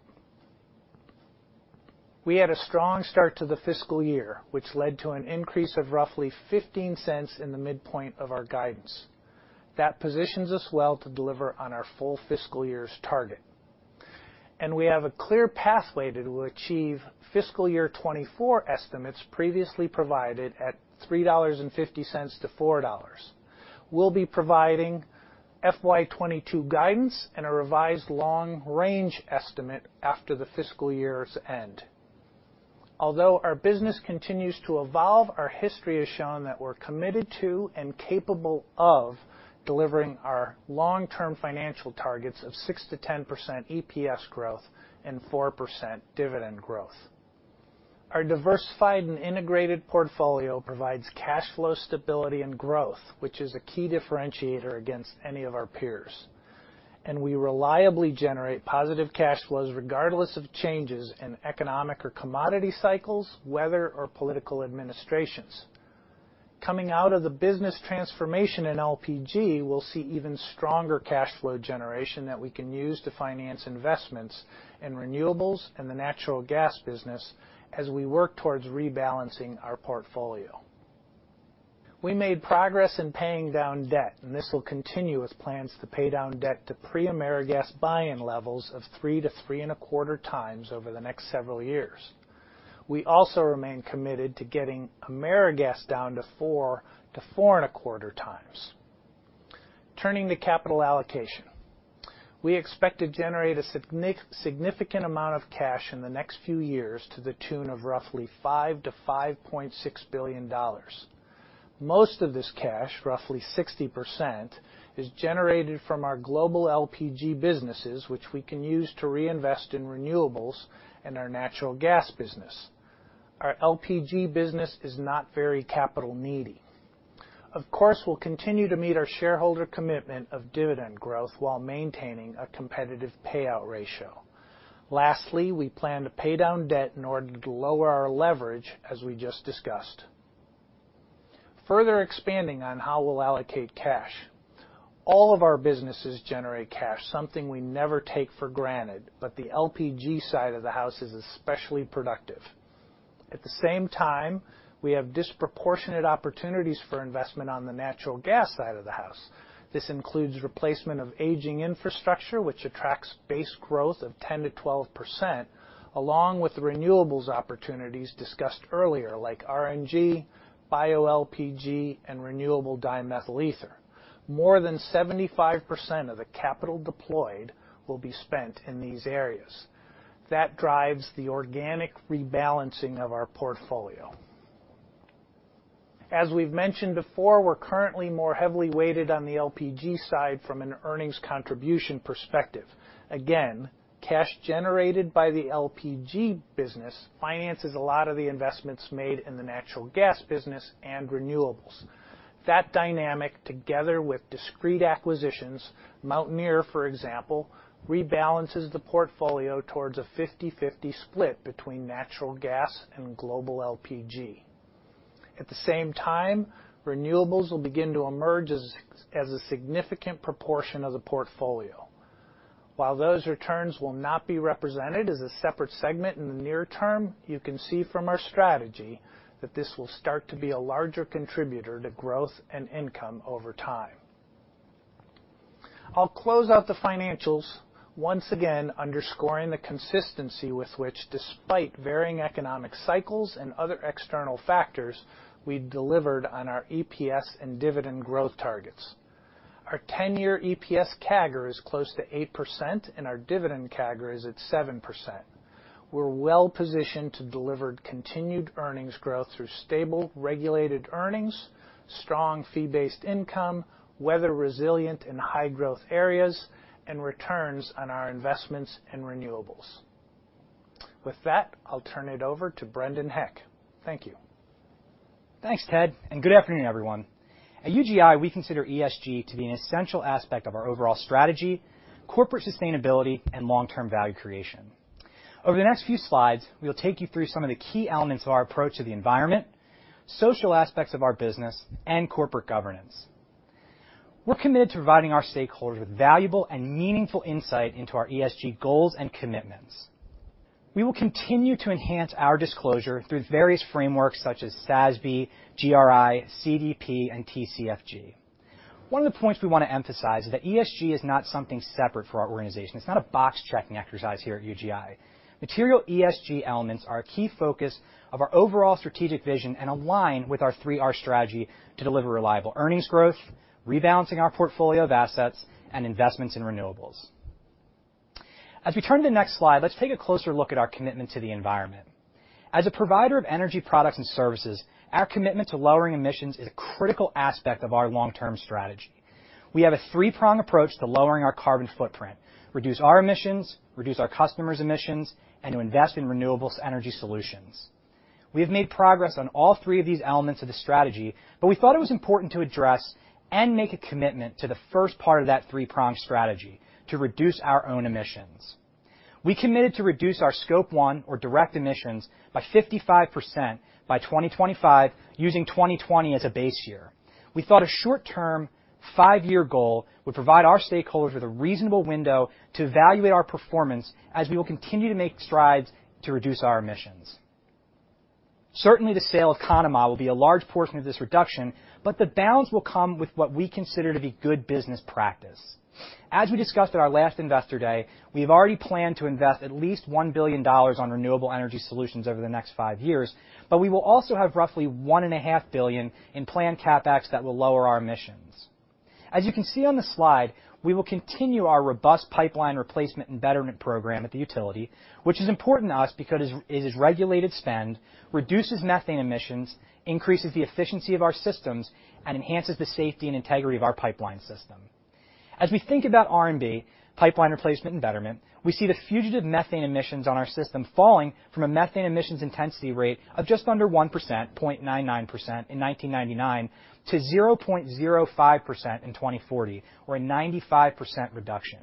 We had a strong start to the fiscal year, which led to an increase of roughly $0.15 in the midpoint of our guidance. That positions us well to deliver on our full fiscal year's target. We have a clear pathway to achieve FY 2024 estimates previously provided at $3.50-$4.00. We'll be providing FY 2022 guidance and a revised long-range estimate after the fiscal year's end. Although our business continues to evolve, our history has shown that we're committed to and capable of delivering our long-term financial targets of 6%-10% EPS growth and 4% dividend growth. Our diversified and integrated portfolio provides cash flow stability and growth, which is a key differentiator against any of our peers. We reliably generate positive cash flows regardless of changes in economic or commodity cycles, weather, or political administrations. Coming out of the business transformation in LPG, we'll see even stronger cash flow generation that we can use to finance investments in renewables and the natural gas business as we work towards rebalancing our portfolio. We made progress in paying down debt, this will continue with plans to pay down debt to pre-AmeriGas buy-in levels of 3 to 3 and a quarter times over the next several years. We also remain committed to getting AmeriGas down to 4 to 4 and a quarter times. Turning to capital allocation. We expect to generate a significant amount of cash in the next few years to the tune of roughly $5 billion-$5.6 billion. Most of this cash, roughly 60%, is generated from our global LPG businesses, which we can use to reinvest in renewables and our natural gas business. Our LPG business is not very capital needy. Of course, we'll continue to meet our shareholder commitment of dividend growth while maintaining a competitive payout ratio. Lastly, we plan to pay down debt in order to lower our leverage, as we just DSICussed. Further expanding on how we'll allocate cash. All of our businesses generate cash, something we never take for granted, but the LPG side of the house is especially productive. At the same time, we have disproportionate opportunities for investment on the natural gas side of the house. This includes replacement of aging infrastructure, which attracts base growth of 10%-12%, along with renewables opportunities DSICussed earlier, like RNG, bioLPG, and renewable dimethyl ether. More than 75% of the capital deployed will be spent in these areas. That drives the organic rebalancing of our portfolio. As we've mentioned before, we're currently more heavily weighted on the LPG side from an earnings contribution perspective. Again, cash generated by the LPG business finances a lot of the investments made in the natural gas business and renewables. That dynamic, together with DSICrete acquisitions, Mountaineer, for example, rebalances the portfolio towards a 50/50 split between natural gas and global LPG. At the same time, renewables will begin to emerge as a significant proportion of the portfolio. While those returns will not be represented as a separate segment in the near term, you can see from our strategy that this will start to be a larger contributor to growth and income over time. I'll close out the financials once again underscoring the consistency with which, despite varying economic cycles and other external factors, we've delivered on our EPS and dividend growth targets. Our 10-year EPS CAGR is close to 8% and our dividend CAGR is at 7%. We're well-positioned to deliver continued earnings growth through stable regulated earnings, strong fee-based income, weather resilient in high-growth areas, and returns on our investments in renewables. With that, I'll turn it over to Brendan Heck. Thank you. Thanks, Ted, and good afternoon, everyone. At UGI, we consider ESG to be an essential aspect of our overall strategy, corporate sustainability, and long-term value creation. Over the next few slides, we'll take you through some of the key elements of our approach to the environment, social aspects of our business, and corporate governance. We're committed to providing our stakeholders with valuable and meaningful insight into our ESG goals and commitments. We will continue to enhance our DSIClosure through various frameworks such as SASB, GRI, CDP, and TCFD. One of the points we want to emphasize is that ESG is not something separate for our organization. It's not a box-checking exercise here at UGI. Material ESG elements are a key focus of our overall strategic vision and align with our 3R strategy to deliver reliable earnings growth, rebalancing our portfolio of assets, and investments in renewables. As we turn to the next slide, let's take a closer look at our commitment to the environmen. As a provider of energy products and services, our commitment to lowering emissions is a critical aspect of our long-term strategy. We have a three-pronged approach to lowering our carbon footprint. Reduce our emissions, reduce our customers' emissions, and to invest in renewables energy solutions. We've made progress on all 3 of these elements of the strategy, but we thought it was important to address and make a commitment to the first part of that three-pronged strategy to reduce our own emissions. We committed to reduce our Scope 1 or direct emissions by 55% by 2025 using 2020 as a base year. We thought a short-term 5-year goal would provide our stakeholders with a reasonable window to evaluate our performance as we will continue to make strides to reduce our emissions. Certainly, the sale of Conemaugh will be a large portion of this reduction. The balance will come with what we consider to be good business practice. As we DSICussed at our last Investor Day, we've already planned to invest at least $1 billion on renewable energy solutions over the next 5 years. We will also have roughly $1.5 billion in planned CapEx that will lower our emissions. As you can see on the slide, we will continue our robust pipeline replacement and betterment program at the utility, which is important to us because it is regulated spend, reduces methane emissions, increases the efficiency of our systems, and enhances the safety and integrity of our pipeline system. As we think about R&D, pipeline replacement, and betterment, we see the fugitive methane emissions on our system falling from a methane emissions intensity rate of just under 1%, 0.99% in 1999 to 0.05% in 2040 or a 95% reduction.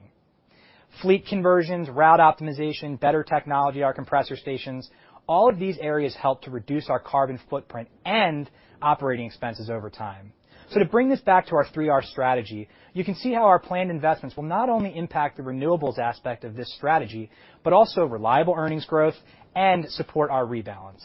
Fleet conversions, route optimization, better technology at our compressor stations, all of these areas help to reduce our carbon footprint and operating expenses over time. To bring this back to our 3R strategy, you can see how our planned investments will not only impact the renewables aspect of this strategy, but also reliable earnings growth and support our rebalance.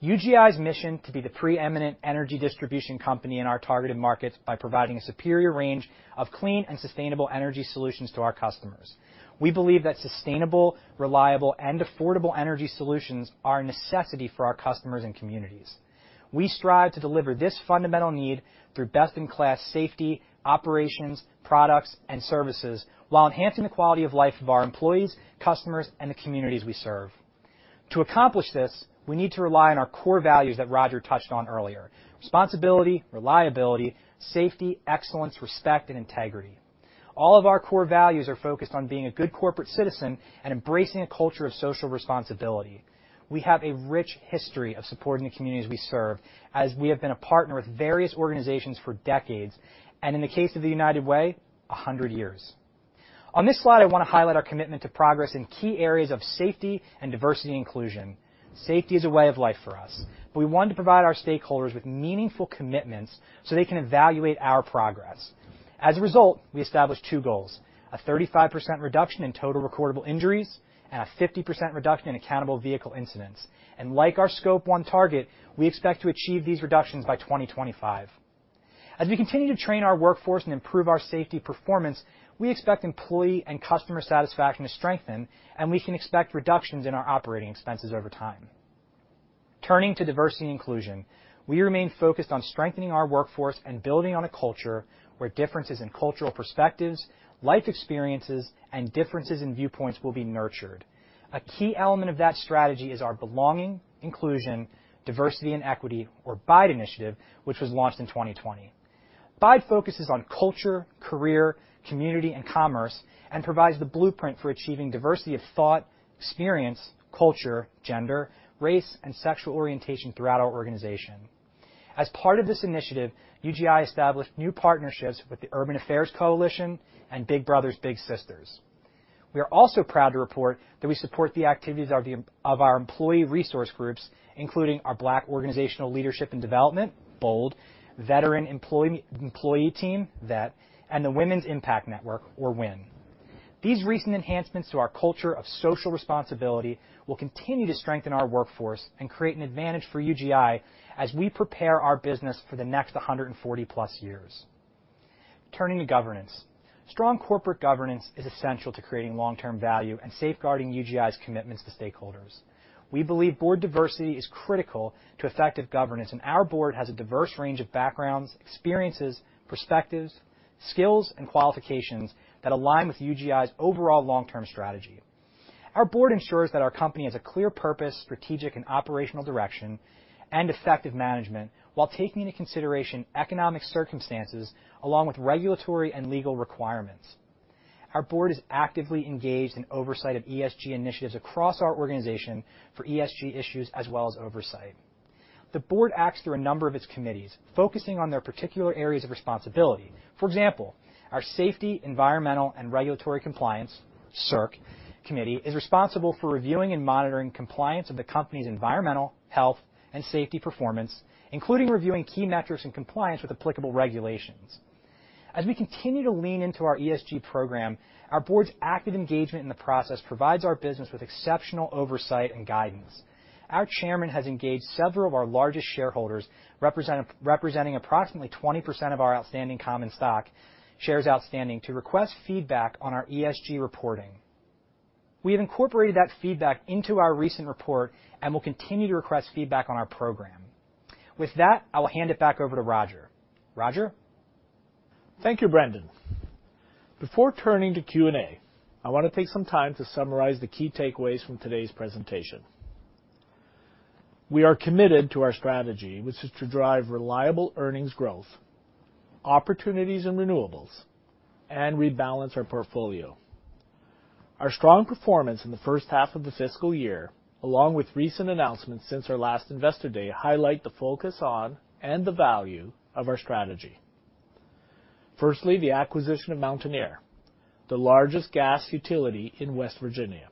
UGI's mission is to be the preeminent energy distribution company in our targeted markets by providing a superior range of clean and sustainable energy solutions to our customers. We believe that sustainable, reliable, and affordable energy solutions are a necessity for our customers and communities. We strive to deliver this fundamental need through best-in-class safety, operations, products, and services while enhancing the quality of life of our employees, customers, and the communities we serve. To accomplish this, we need to rely on our core values that Roger touched on earlier. Responsibility, reliability, safety, excellence, respect, and integrity. All of our core values are focused on being a good corporate citizen and embracing a culture of social responsibility. We have a rich history of supporting the communities we serve, as we have been a partner with various organizations for decades, and in the case of the United Way, 100 years. On this slide, I want to highlight our commitment to progress in key areas of safety and diversity and inclusion. Safety is a way of life for us, but we want to provide our stakeholders with meaningful commitments so they can evaluate our progress. As a result, we established two goals. A 35% reduction in total recordable injuries and a 50% reduction in accountable vehicle incidents. Like our Scope one target, we expect to achieve these reductions by 2025. As we continue to train our workforce and improve our safety performance, we expect employee and customer satisfaction to strengthen, and we can expect reductions in our operating expenses over time. Turning to diversity and inclusion, we remain focused on strengthening our workforce and building on a culture where differences in cultural perspectives, life experiences, and differences in viewpoints will be nurtured. A key element of that strategy is our Belonging, Inclusion, Diversity, and Equity or BIDE initiative, which was launched in 2020. BIDE focuses on culture, career, community, and commerce and provides the blueprint for achieving diversity of thought, experience, culture, gender, race, and sexual orientation throughout our organization. As part of this initiative, UGI established new partnerships with the Urban Affairs Coalition and Big Brothers Big Sisters. We are also proud to report that we support the activities of our employee resource groups, including our Black Organizational Leadership and Development, BOLD, Veteran Employee Team, VET, and the Women's Impact Network, or WIN. These recent enhancements to our culture of social responsibility will continue to strengthen our workforce and create an advantage for UGI as we prepare our business for the next 140-plus years. Turning to governance. Strong corporate governance is essential to creating long-term value and safeguarding UGI's commitments to stakeholders. We believe board diversity is critical to effective governance, and our board has a diverse range of backgrounds, experiences, perspectives, skills, and qualifications that align with UGI's overall long-term strategy. Our board ensures that our company has a clear purpose, strategic and operational direction, and effective management, while taking into consideration economic circumstances along with regulatory and legal requirements. Our board is actively engaged in oversight of ESG initiatives across our organization for ESG issues as well as oversight. The board acts through a number of its committees, focusing on their particular areas of responsibility. For example, our Safety, Environmental, and Regulatory Compliance, SERC, Committee is responsible for reviewing and monitoring compliance of the company's environmental, health, and safety performance, including reviewing key metrics and compliance with applicable regulations. As we continue to lean into our ESG program, our board's active engagement in the process provides our business with exceptional oversight and guidance. Our chairman has engaged several of our largest shareholders, representing approximately 20% of our outstanding common stock, shares outstanding, to request feedback on our ESG reporting. We have incorporated that feedback into our recent report and will continue to request feedback on our program. With that, I'll hand it back over to Roger. Roger? Thank you, Brendan. Before turning to Q&A, I want to take some time to summarize the key takeaways from today's presentation. We are committed to our strategy, which is to drive reliable earnings growth, opportunities in renewables, and rebalance our portfolio. Our strong performance in the first half of the fiscal year, along with recent announcements since our last Investor Day, highlight the focus on and the value of our strategy. Firstly, the acquisition of Mountaineer, the largest gas utility in West Virginia.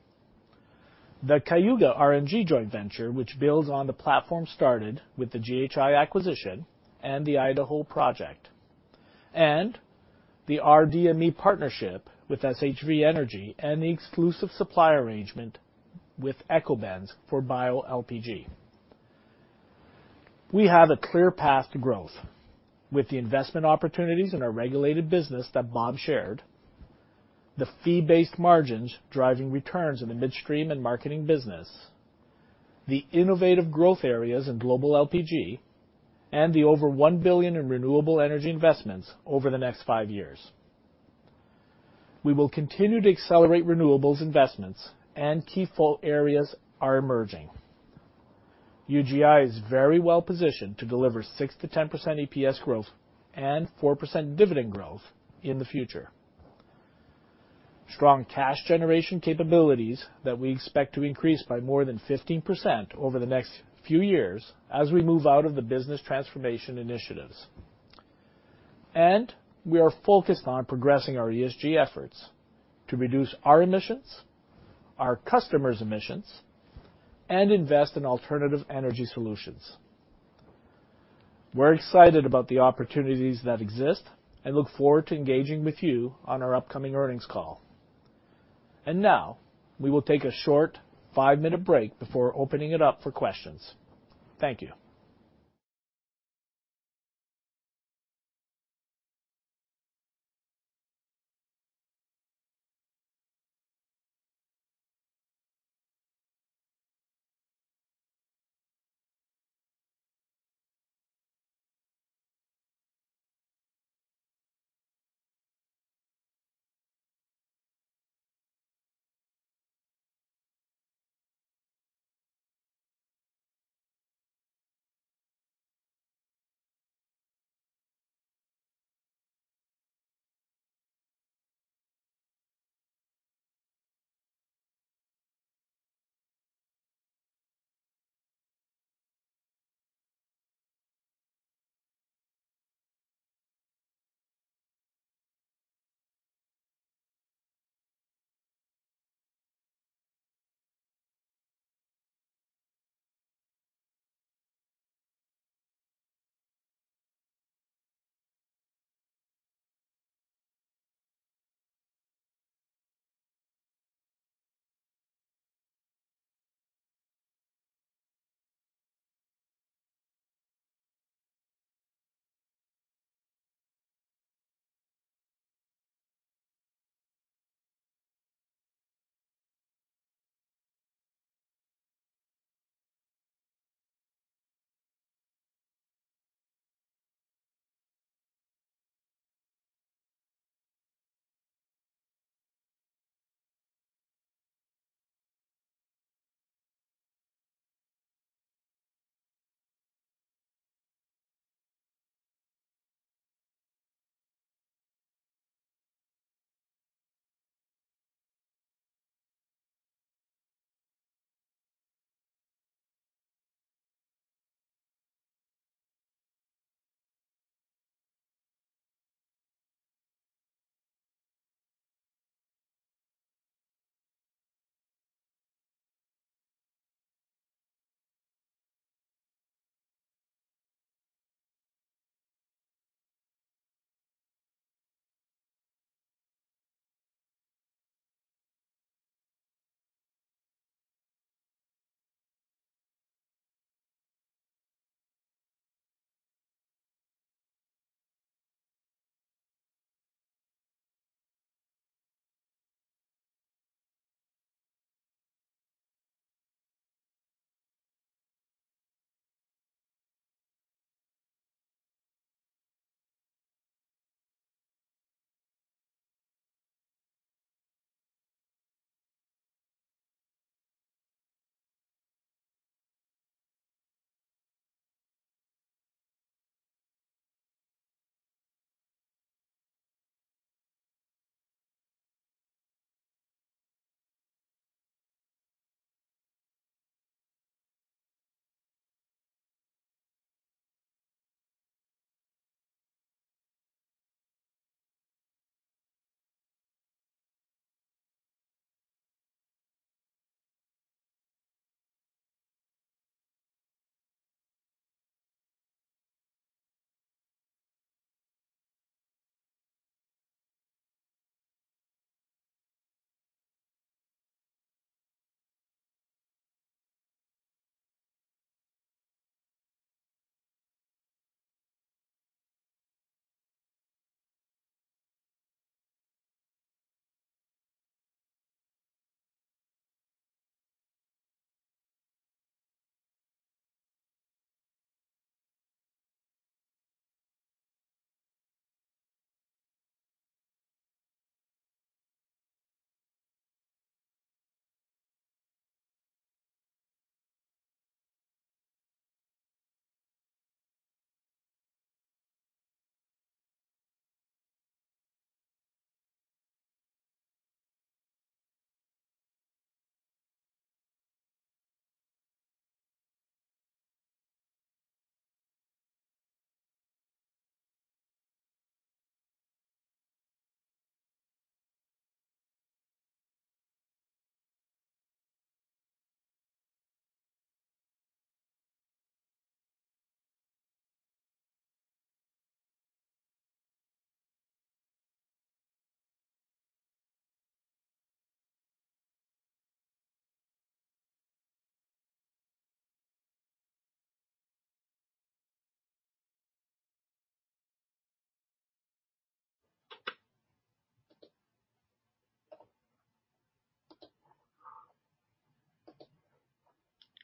The Cayuga RNG joint venture, which builds on the platform started with the GHI Energy acquisition and the Idaho project. The rDME partnership with SHV Energy and the exclusive supply arrangement with Ekobenz for bioLPG. We have a clear path to growth with the investment opportunities in our regulated business that Robert shared, the fee-based margins driving returns in the midstream and marketing business, the innovative growth areas in global LPG, and the over $1 billion in renewable energy investments over the next five years. We will continue to accelerate renewables investments and key areas are emerging. UGI is very well-positioned to deliver 6%-10% EPS growth and 4% dividend growth in the future. Strong cash generation capabilities that we expect to increase by more than 15% over the next few years as we move out of the business transformation initiatives. We are focused on progressing our ESG efforts to reduce our emissions, our customers' emissions, and invest in alternative energy solutions. We're excited about the opportunities that exist and look forward to engaging with you on our upcoming earnings call. Now, we will take a short 5-minute break before opening it up for questions. Thank you.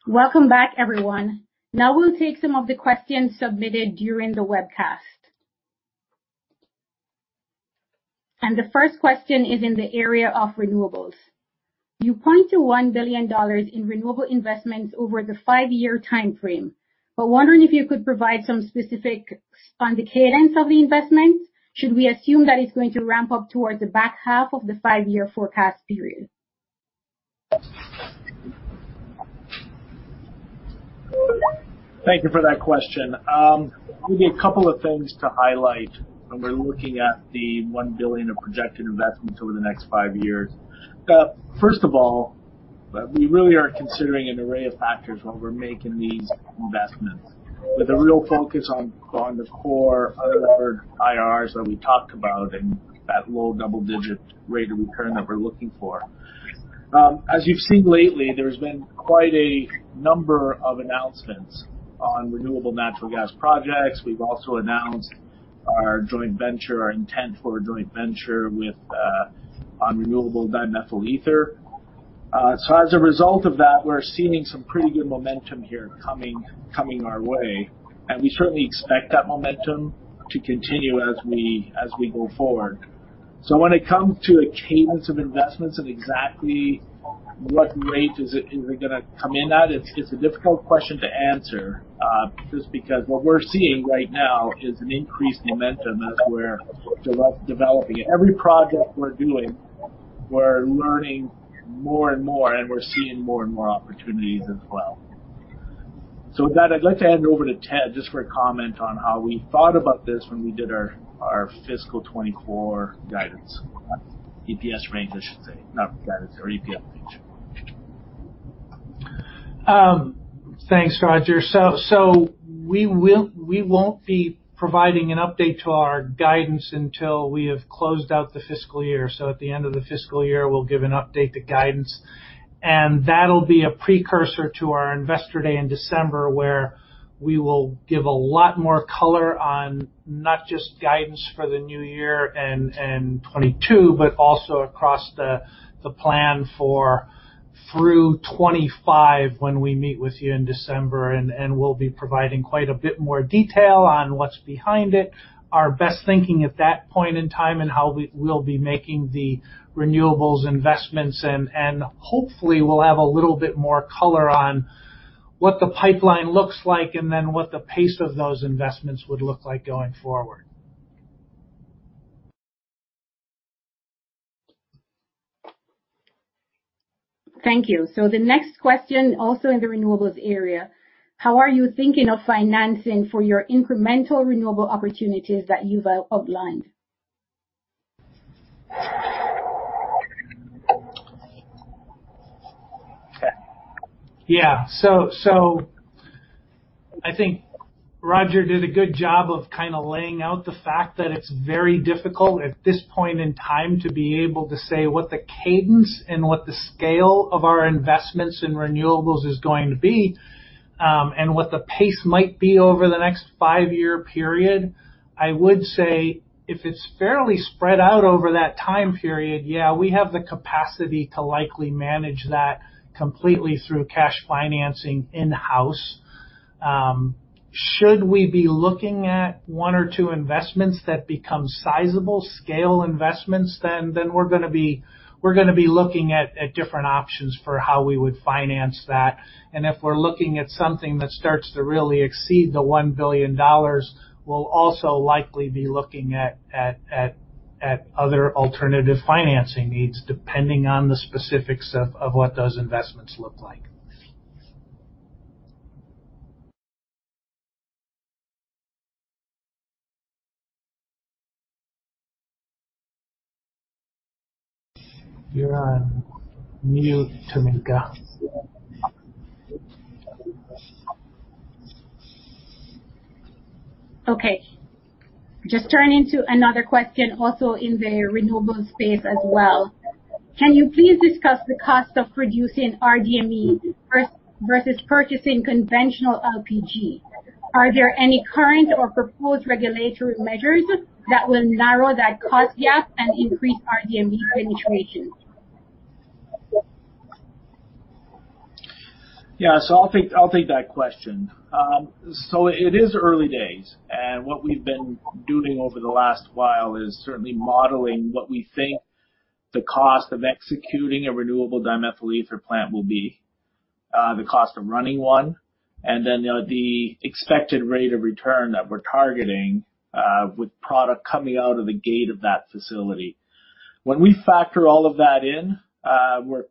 Welcome back, everyone. Now we'll take some of the questions submitted during the webcast. The first question is in the area of renewables. You point to $1 billion in renewable investments over the 5-year timeframe, but wondering if you could provide some specific on the cadence of the investments. Should we assume that it's going to ramp up towards the back half of the five-year forecast period? Thank you for that question. Maybe a couple of things to highlight when we're looking at the $1 billion of projected investments over the next five years. First of all, we really are considering an array of factors when we're making these investments, with a real focus on the core 100 IRRs that we talked about and that low double-digit rate of return that we're looking for. As you've seen lately, there's been quite a number of announcements on renewable natural gas projects. We've also announced our intent for a joint venture on renewable dimethyl ether. As a result of that, we're seeing some pretty good momentum here coming our way, and we certainly expect that momentum to continue as we go forward. When it comes to a cadence of investments of exactly what rate is it going to come in at? It's a difficult question to answer, just because what we're seeing right now is an increased momentum that's developing. Every project we're doing, we're learning more and more, and we're seeing more and more opportunities as well. With that, I'd like to hand over to Ted just for a comment on how we thought about this when we did our fiscal 2024 guidance. EPS range, I should say, not guidance or EPS. Thanks, Roger. We won't be providing an update to our guidance until we have closed out the fiscal year. At the end of the fiscal year, we'll give an update to guidance, and that'll be a precursor to our Investor Day in December, where we will give a lot more color on not just guidance for the new year in 2022, but also across the plan for through 2025 when we meet with you in December. We'll be providing quite a bit more detail on what's behind it, our best thinking at that point in time, and how we will be making the renewables investments. Hopefully, we'll have a little bit more color on what the pipeline looks like and then what the pace of those investments would look like going forward. Thank you. The next question, also in the renewables area. How are you thinking of financing for your incremental renewable opportunities that you've outlined? Yeah. I think Roger did a good job of kind of laying out the fact that it's very difficult at this point in time to be able to say what the cadence and what the scale of our investments in renewables is going to be, and what the pace might be over the next five-year period. I would say if it's fairly spread out over that time period, yeah, we have the capacity to likely manage that completely through cash financing in-house. Should we be looking at one or two investments that become sizable scale investments, then we're going to be looking at different options for how we would finance that. If we're looking at something that starts to really exceed the $1 billion, we'll also likely be looking at other alternative financing needs, depending on the specifics of what those investments look like. You're on mute, Tameka. Okay. Just turning to another question also in the renewables space as well. Can you please DSICuss the cost of producing rDME versus purchasing conventional LPG? Are there any current or proposed regulatory measures that will narrow that cost gap and increase rDME penetration? Yeah. I'll take that question. It is early days, and what we've been doing over the last while is certainly modeling what we think the cost of executing a renewable dimethyl ether plant will be, the cost of running one, and then the expected rate of return that we're targeting with product coming out of the gate of that facility. When we factor all of that in, we're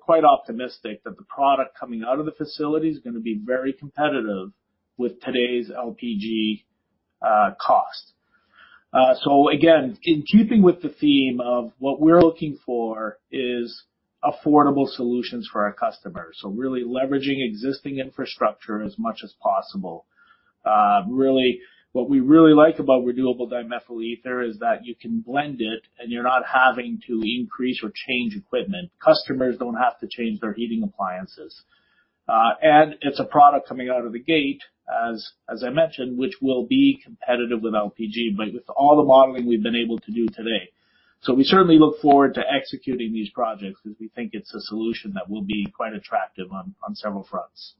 quite optimistic that the product coming out of the facility is going to be very competitive with today's LPG cost. Again, in keeping with the theme of what we're looking for is affordable solutions for our customers. Really leveraging existing infrastructure as much as possible. What we really like about renewable dimethyl ether is that you can blend it and you're not having to increase or change equipment. Customers don't have to change their heating appliances. It's a product coming out of the gate, as I mentioned, which will be competitive with LPG, but with all the modeling we've been able to do today. We certainly look forward to executing these projects because we think it's a solution that will be quite attractive on several fronts.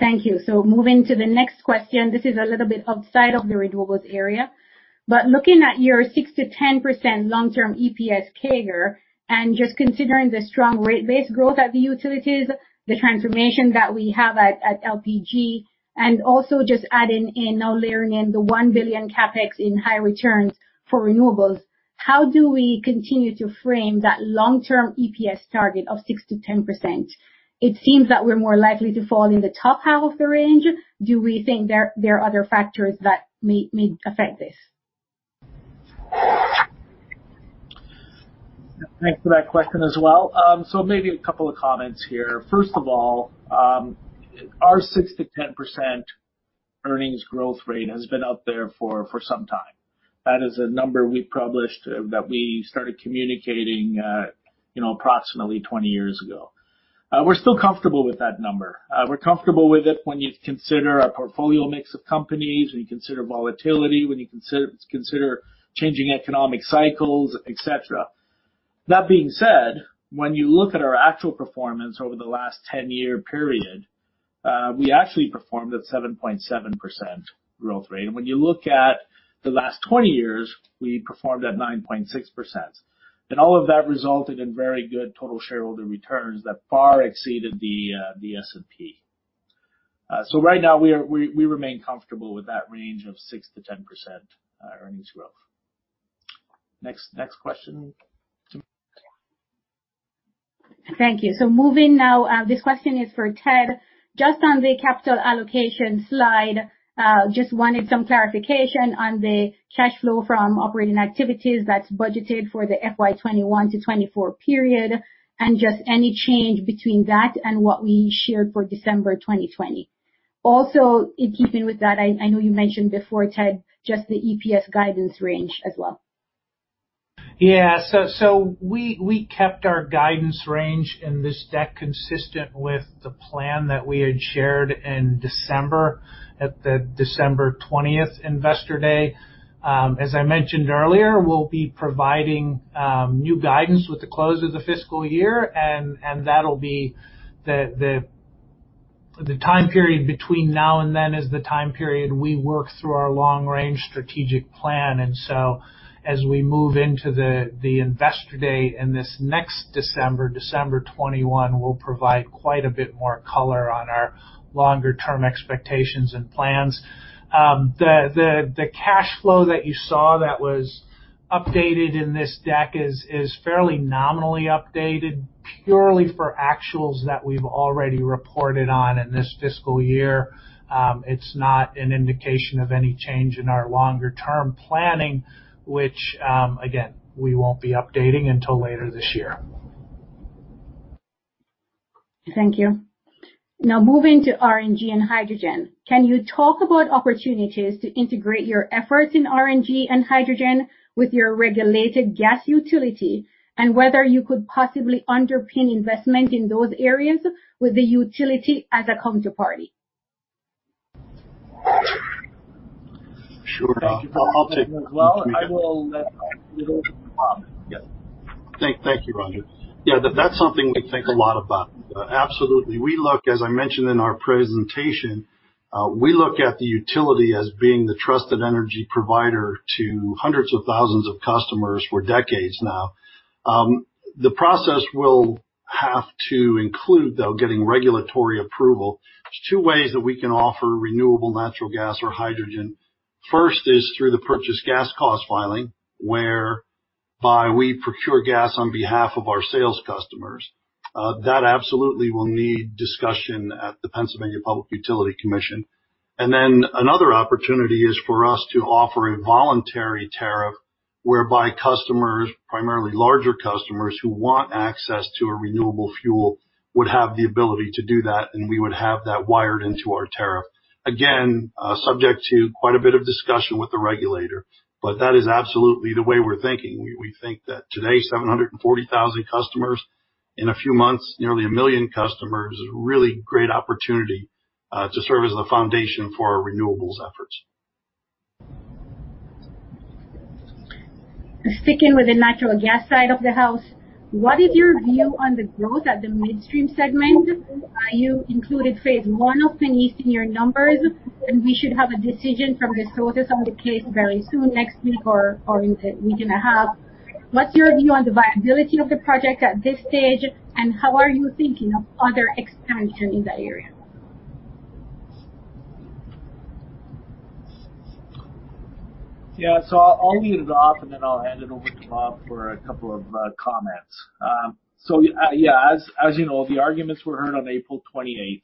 Thank you. Moving to the next question. This is a little bit outside of the renewables area. Looking at your 6%-10% long-term EPS CAGR, and just considering the strong rate base growth at the utilities, the transformation that we have at LPG, and also just adding in now layering in the $1 billion CapEx in high returns for renewables, how do we continue to frame that long-term EPS target of 6%-10%? It seems that we're more likely to fall in the top half of the range. Do we think there are other factors that may affect this? Thanks for that question as well. Maybe a couple of comments here. First of all, our 6%-10% earnings growth rate has been out there for some time. That is a number we published that we started communicating approximately 20 years ago. We're still comfortable with that number. We're comfortable with it when you consider our portfolio mix of companies, when you consider volatility, when you consider changing economic cycles, et cetera. That being said, when you look at our actual performance over the last 10-year period, we actually performed at 7.7% growth rate. When you look at the last 20 years, we performed at 9.6%. All of that resulted in very good total shareholder returns that far exceeded the S&P. Right now, we remain comfortable with that range of 6%-10% earnings growth. Next question. Thank you. Moving now, this question is for Ted. On the capital allocation slide, just wanted some clarification on the cash flow from operating activities that's budgeted for the FY 2021 to 2024 period and just any change between that and what we shared for December 2020. In keeping with that, I know you mentioned before, Ted, just the EPS guidance range as well. We kept our guidance range in this deck consistent with the plan that we had shared in December at the December 20th Investor Day. As I mentioned earlier, we'll be providing new guidance with the close of the fiscal year, and that'll be the time period between now and then is the time period we work through our long-range strategic plan. As we move into the Investor Day in this next December 2021, we'll provide quite a bit more color on our longer-term expectations and plans. The cash flow that you saw that was updated in this deck is fairly nominally updated purely for actuals that we've already reported on in this fiscal year. It's not an indication of any change in our longer-term planning, which, again, we won't be updating until later this year. Thank you. Now moving to RNG and hydrogen, can you talk about opportunities to integrate your efforts in RNG and hydrogen with your regulated gas utility, and whether you could possibly underpin investment in those areas with the utility as a counterparty? Sure. Well, I will let you. Thank you, Roger. Yeah, that's something we think a lot about. Absolutely. As I mentioned in our presentation, we look at the utility as being the trusted energy provider to hundreds of thousands of customers for decades now. The process will have to include, though, getting regulatory approval. There's two ways that we can offer renewable natural gas or hydrogen. First is through the purchased gas costs filing, whereby we procure gas on behalf of our sales customers. That absolutely will need DSICussion at the Pennsylvania Public Utility Commission. Another opportunity is for us to offer a voluntary tariff, whereby customers, primarily larger customers, who want access to a renewable fuel would have the ability to do that, and we would have that wired into our tariff. Again, subject to quite a bit of DSICussion with the regulator. That is absolutely the way we're thinking. We think that today, 740,000 customers, in a few months, nearly 1 million customers, is a really great opportunity to serve as the foundation for our renewables efforts. Sticking with the natural gas side of the house, what is your view on the growth at the midstream segment? You included phase 1 of PennEast in your numbers, and we should have a decision from the Justice on the case very soon, next week or in a week and a half. What's your view on the viability of the project at this stage, and how are you thinking of other expansion in that area? Yeah. I'll lead it off, and then I'll hand it over to Robert for a couple of comments. Yeah, as you know, the arguments were heard on April 28th.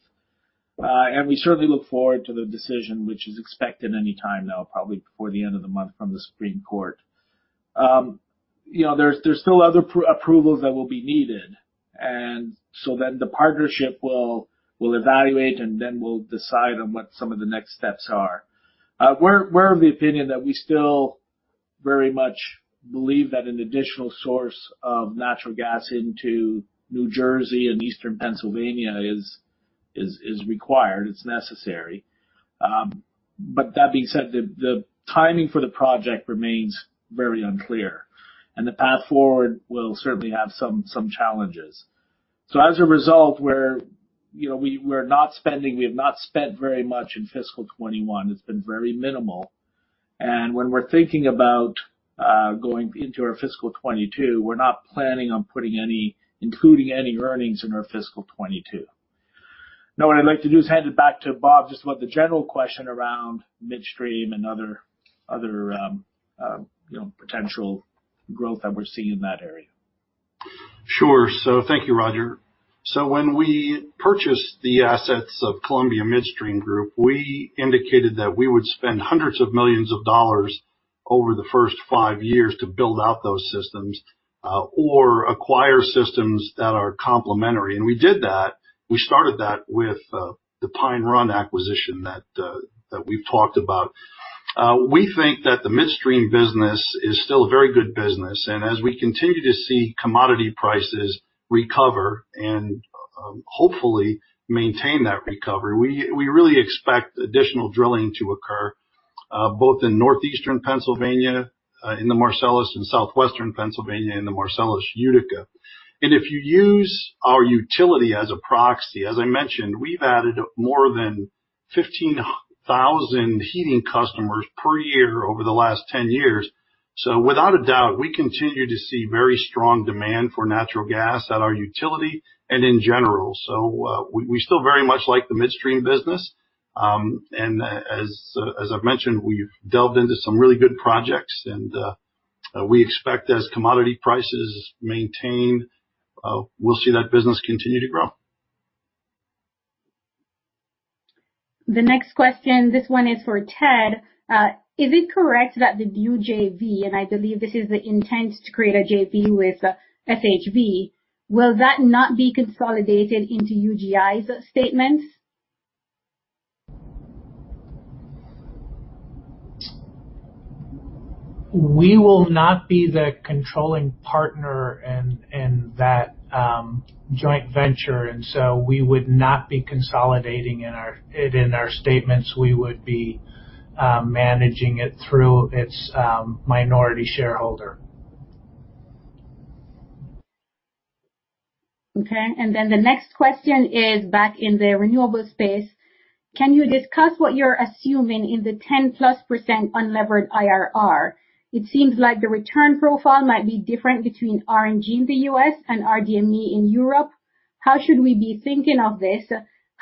We certainly look forward to the decision, which is expected any time now, probably before the end of the month from the Supreme Court. There's still other approvals that will be needed. The partnership will evaluate, and then we'll decide on what some of the next steps are. We're of the opinion that we still very much believe that an additional source of natural gas into New Jersey and Eastern Pennsylvania is required. It's necessary. That being said, the timing for the project remains very unclear, and the path forward will certainly have some challenges. As a result, we have not spent very much in fiscal 2021. It's been very minimal. When we're thinking about going into our fiscal 2022, we're not planning on including any earnings in our fiscal 2022. What I'd like to do is hand it back to Bob, just about the general question around midstream and other potential growth that we're seeing in that area. Sure. Thank you, Roger. When we purchased the assets of Columbia Midstream Group, we indicated that we would spend hundreds of millions of dollars over the first 5 years to build out those systems or acquire systems that are complementary. We did that. We started that with the Pine Run acquisition that we've talked about. We think that the midstream business is still a very good business, and as we continue to see commodity prices recover and, hopefully, maintain that recovery, we really expect additional drilling to occur, both in Northeastern Pennsylvania in the Marcellus and Southwestern Pennsylvania in the Marcellus Utica. If you use our utility as a proxy, as I mentioned, we've added more than 15,000 heating customers per year over the last 10 years. Without a doubt, we continue to see very strong demand for natural gas at our utility and in general. We still very much like the midstream business. As I've mentioned, we've delved into some really good projects, and we expect as commodity prices maintain, we'll see that business continue to grow. The next question, this one is for Ted. Is it correct that the new JV, and I believe this is the intent to create a JV with SHV, will that not be consolidated into UGI's statements? We will not be the controlling partner in that joint venture, we would not be consolidating it in our statements. We would be managing it through its minority shareholder. Okay. The next question is back in the renewable space. Can you DSICuss what you're assuming in the 10-plus % unlevered IRR? It seems like the return profile might be different between RNG in the U.S. and rDME in Europe. How should we be thinking of this?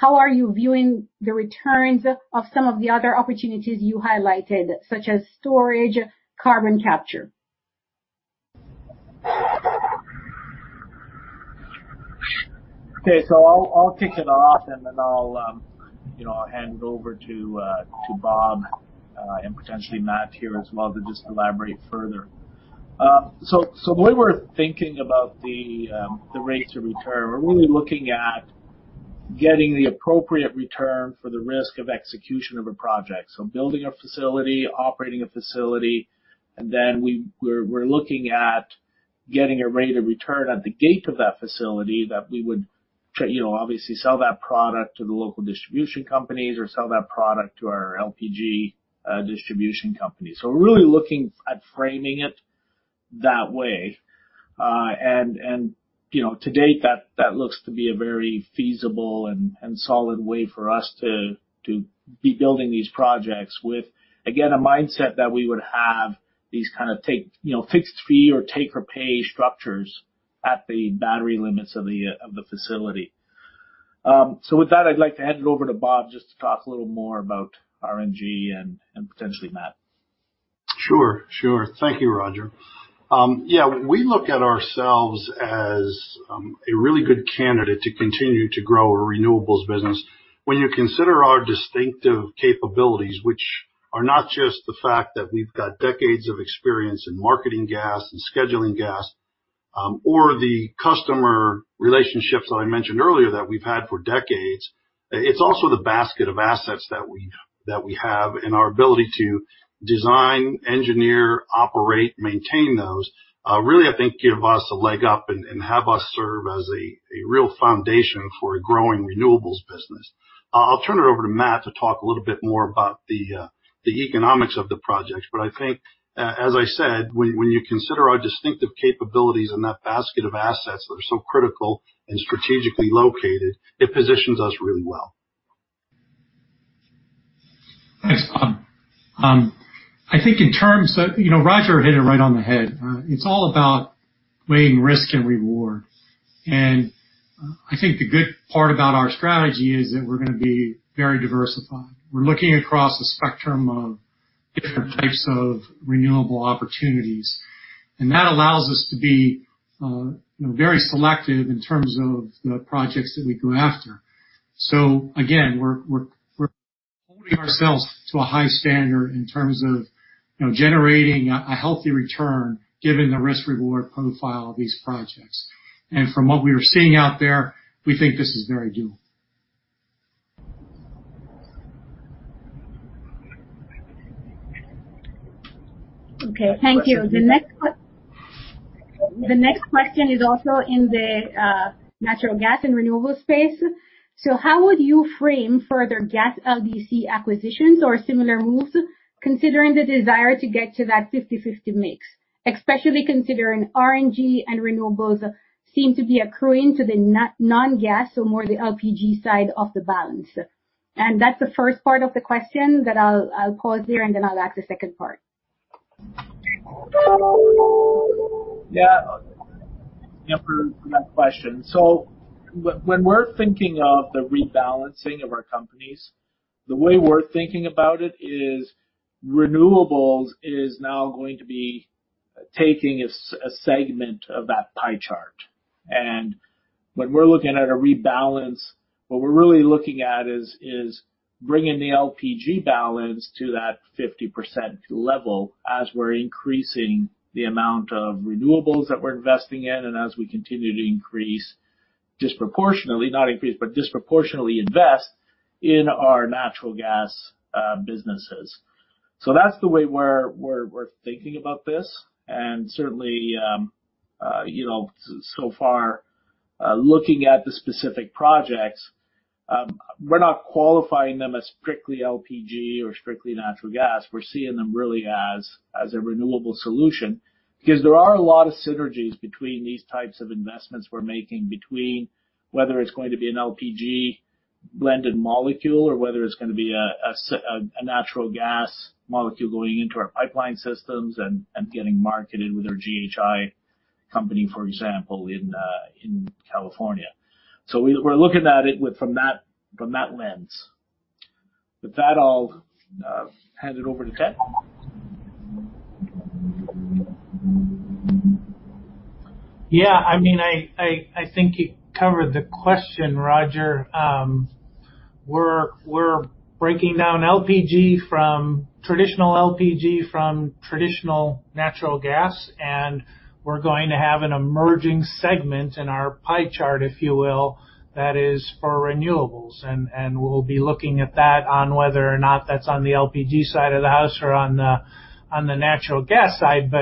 How are you viewing the returns of some of the other opportunities you highlighted, such as storage, carbon capture? Okay. I'll kick it off, and then I'll hand it over to Bob, and potentially Matt here as well to just elaborate further. The way we're thinking about the rates of return, we're really looking at getting the appropriate return for the risk of execution of a project. Building a facility, operating a facility, and then we're looking at getting a rate of return at the gate of that facility that we would obviously sell that product to the local distribution companies or sell that product to our LPG distribution company. We're really looking at framing it that way. To date, that looks to be a very feasible and solid way for us to be building these projects with, again, a mindset that we would have these kind of fixed fee or take-or-pay structures at the battery limits of the facility. With that, I'd like to hand it over to Bob just to talk a little more about RNG and potentially Matt. Sure. Thank you, Roger. Yeah, we look at ourselves as a really good candidate to continue to grow our renewables business. When you consider our distinctive capabilities, which are not just the fact that we've got decades of experience in marketing gas and scheduling gas, or the customer relationships that I mentioned earlier that we've had for decades. It's also the basket of assets that we have and our ability to design, engineer, operate, maintain those, really, I think, give us a leg up and have us serve as a real foundation for a growing renewables business. I'll turn it over to Matt to talk a little bit more about the economics of the projects. I think, as I said, when you consider our distinctive capabilities and that basket of assets that are so critical and strategically located, it positions us really well. Thanks, Bob. I think Roger hit it right on the head. It's all about weighing risk and reward. I think the good part about our strategy is that we're going to be very diversified. We're looking across a spectrum of different types of renewable opportunities, and that allows us to be very selective in terms of the projects that we go after. Again, we're holding ourselves to a high standard in terms of generating a healthy return given the risk-reward profile of these projects. From what we are seeing out there, we think this is very doable. Okay. Thank you. The next question is also in the natural gas and renewable space. How would you frame further gas LDC acquisitions or similar moves, considering the desire to get to that 50/50 mix, especially considering RNG and renewables seem to be accruing to the non-gas or more the LPG side of the balance? That's the first part of the question, then I'll pause there, I'll ask the second part. Yeah. For that question. When we're thinking of the rebalancing of our companies, the way we're thinking about it is renewables is now going to be taking a segment of that pie chart. When we're looking at a rebalance, what we're really looking at is bringing the LPG balance to that 50% level as we're increasing the amount of renewables that we're investing in and as we continue to increase disproportionately, not increase, but disproportionately invest in our natural gas businesses. That's the way we're thinking about this. Certainly so far, looking at the specific projects, we're not qualifying them as strictly LPG or strictly natural gas. We're seeing them really as a renewable solution because there are a lot of synergies between these types of investments we're making between whether it's going to be an LPG-blended molecule or whether it's going to be a natural gas molecule going into our pipeline systems and getting marketed with our GHI company, for example, in California. We're looking at it from that lens. With that, I'll hand it over to Ted. Yeah. I think you covered the question, Roger. We're breaking down traditional LPG from traditional natural gas, and we're going to have an emerging segment in our pie chart, if you will, that is for renewables. We'll be looking at that on whether or not that's on the LPG side of the house or on the natural gas side.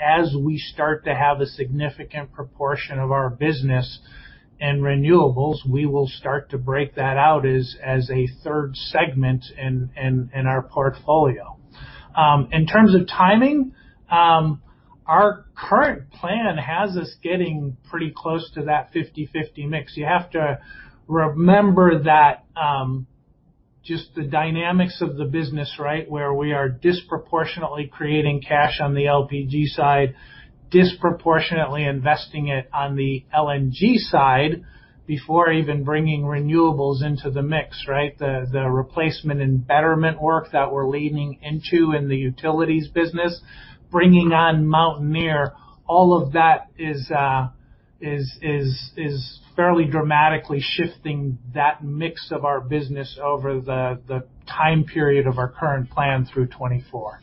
As we start to have a significant proportion of our business in renewables, we will start to break that out as a third segment in our portfolio. In terms of timing, our current plan has us getting pretty close to that 50/50 mix. The dynamics of the business, right? We are disproportionately creating cash on the LPG side, disproportionately investing it on the LDC side before even bringing renewables into the mix, right? The replacement and betterment work that we're leaning into in the utilities business, bringing on Mountaineer, all of that is fairly dramatically shifting that mix of our business over the time period of our current plan through 2024.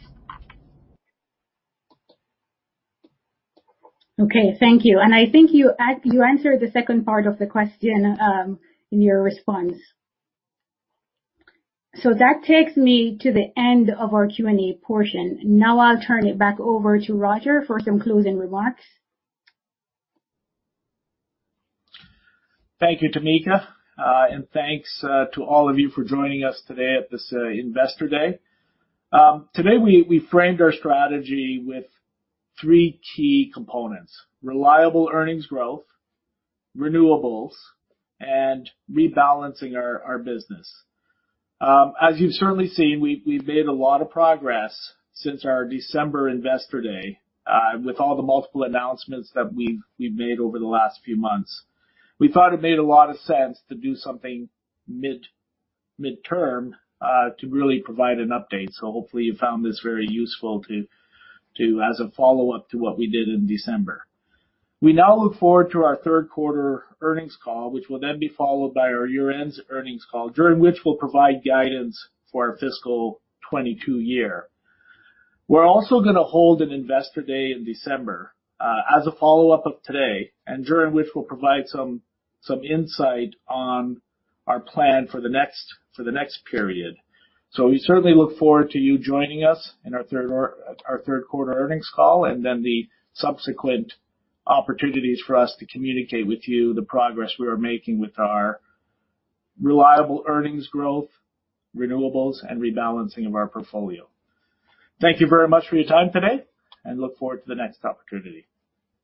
Okay, thank you. I think you answered the second part of the question in your response. That takes me to the end of our Q&A portion. Now I'll turn it back over to Roger for some closing remarks. Thank you, Tameka. Thanks to all of you for joining us today at this Investor Day. Today, we framed our strategy with 3 key components: reliable earnings growth, renewables, and rebalancing our business. As you've certainly seen, we've made a lot of progress since our December Investor Day with all the multiple announcements that we've made over the last few months. We thought it made a lot of sense to do something midterm to really provide an update. Hopefully you found this very useful as a follow-up to what we did in December. We now look forward to our third quarter earnings call, which will then be followed by our year-end earnings call, during which we'll provide guidance for our fiscal 2022 year. We're also going to hold an Investor Day in December as a follow-up of today, and during which we'll provide some insight on our plan for the next period. We certainly look forward to you joining us in our third quarter earnings call, and then the subsequent opportunities for us to communicate with you the progress we are making with our reliable earnings growth, renewables, and rebalancing of our portfolio. Thank you very much for your time today, and look forward to the next opportunity.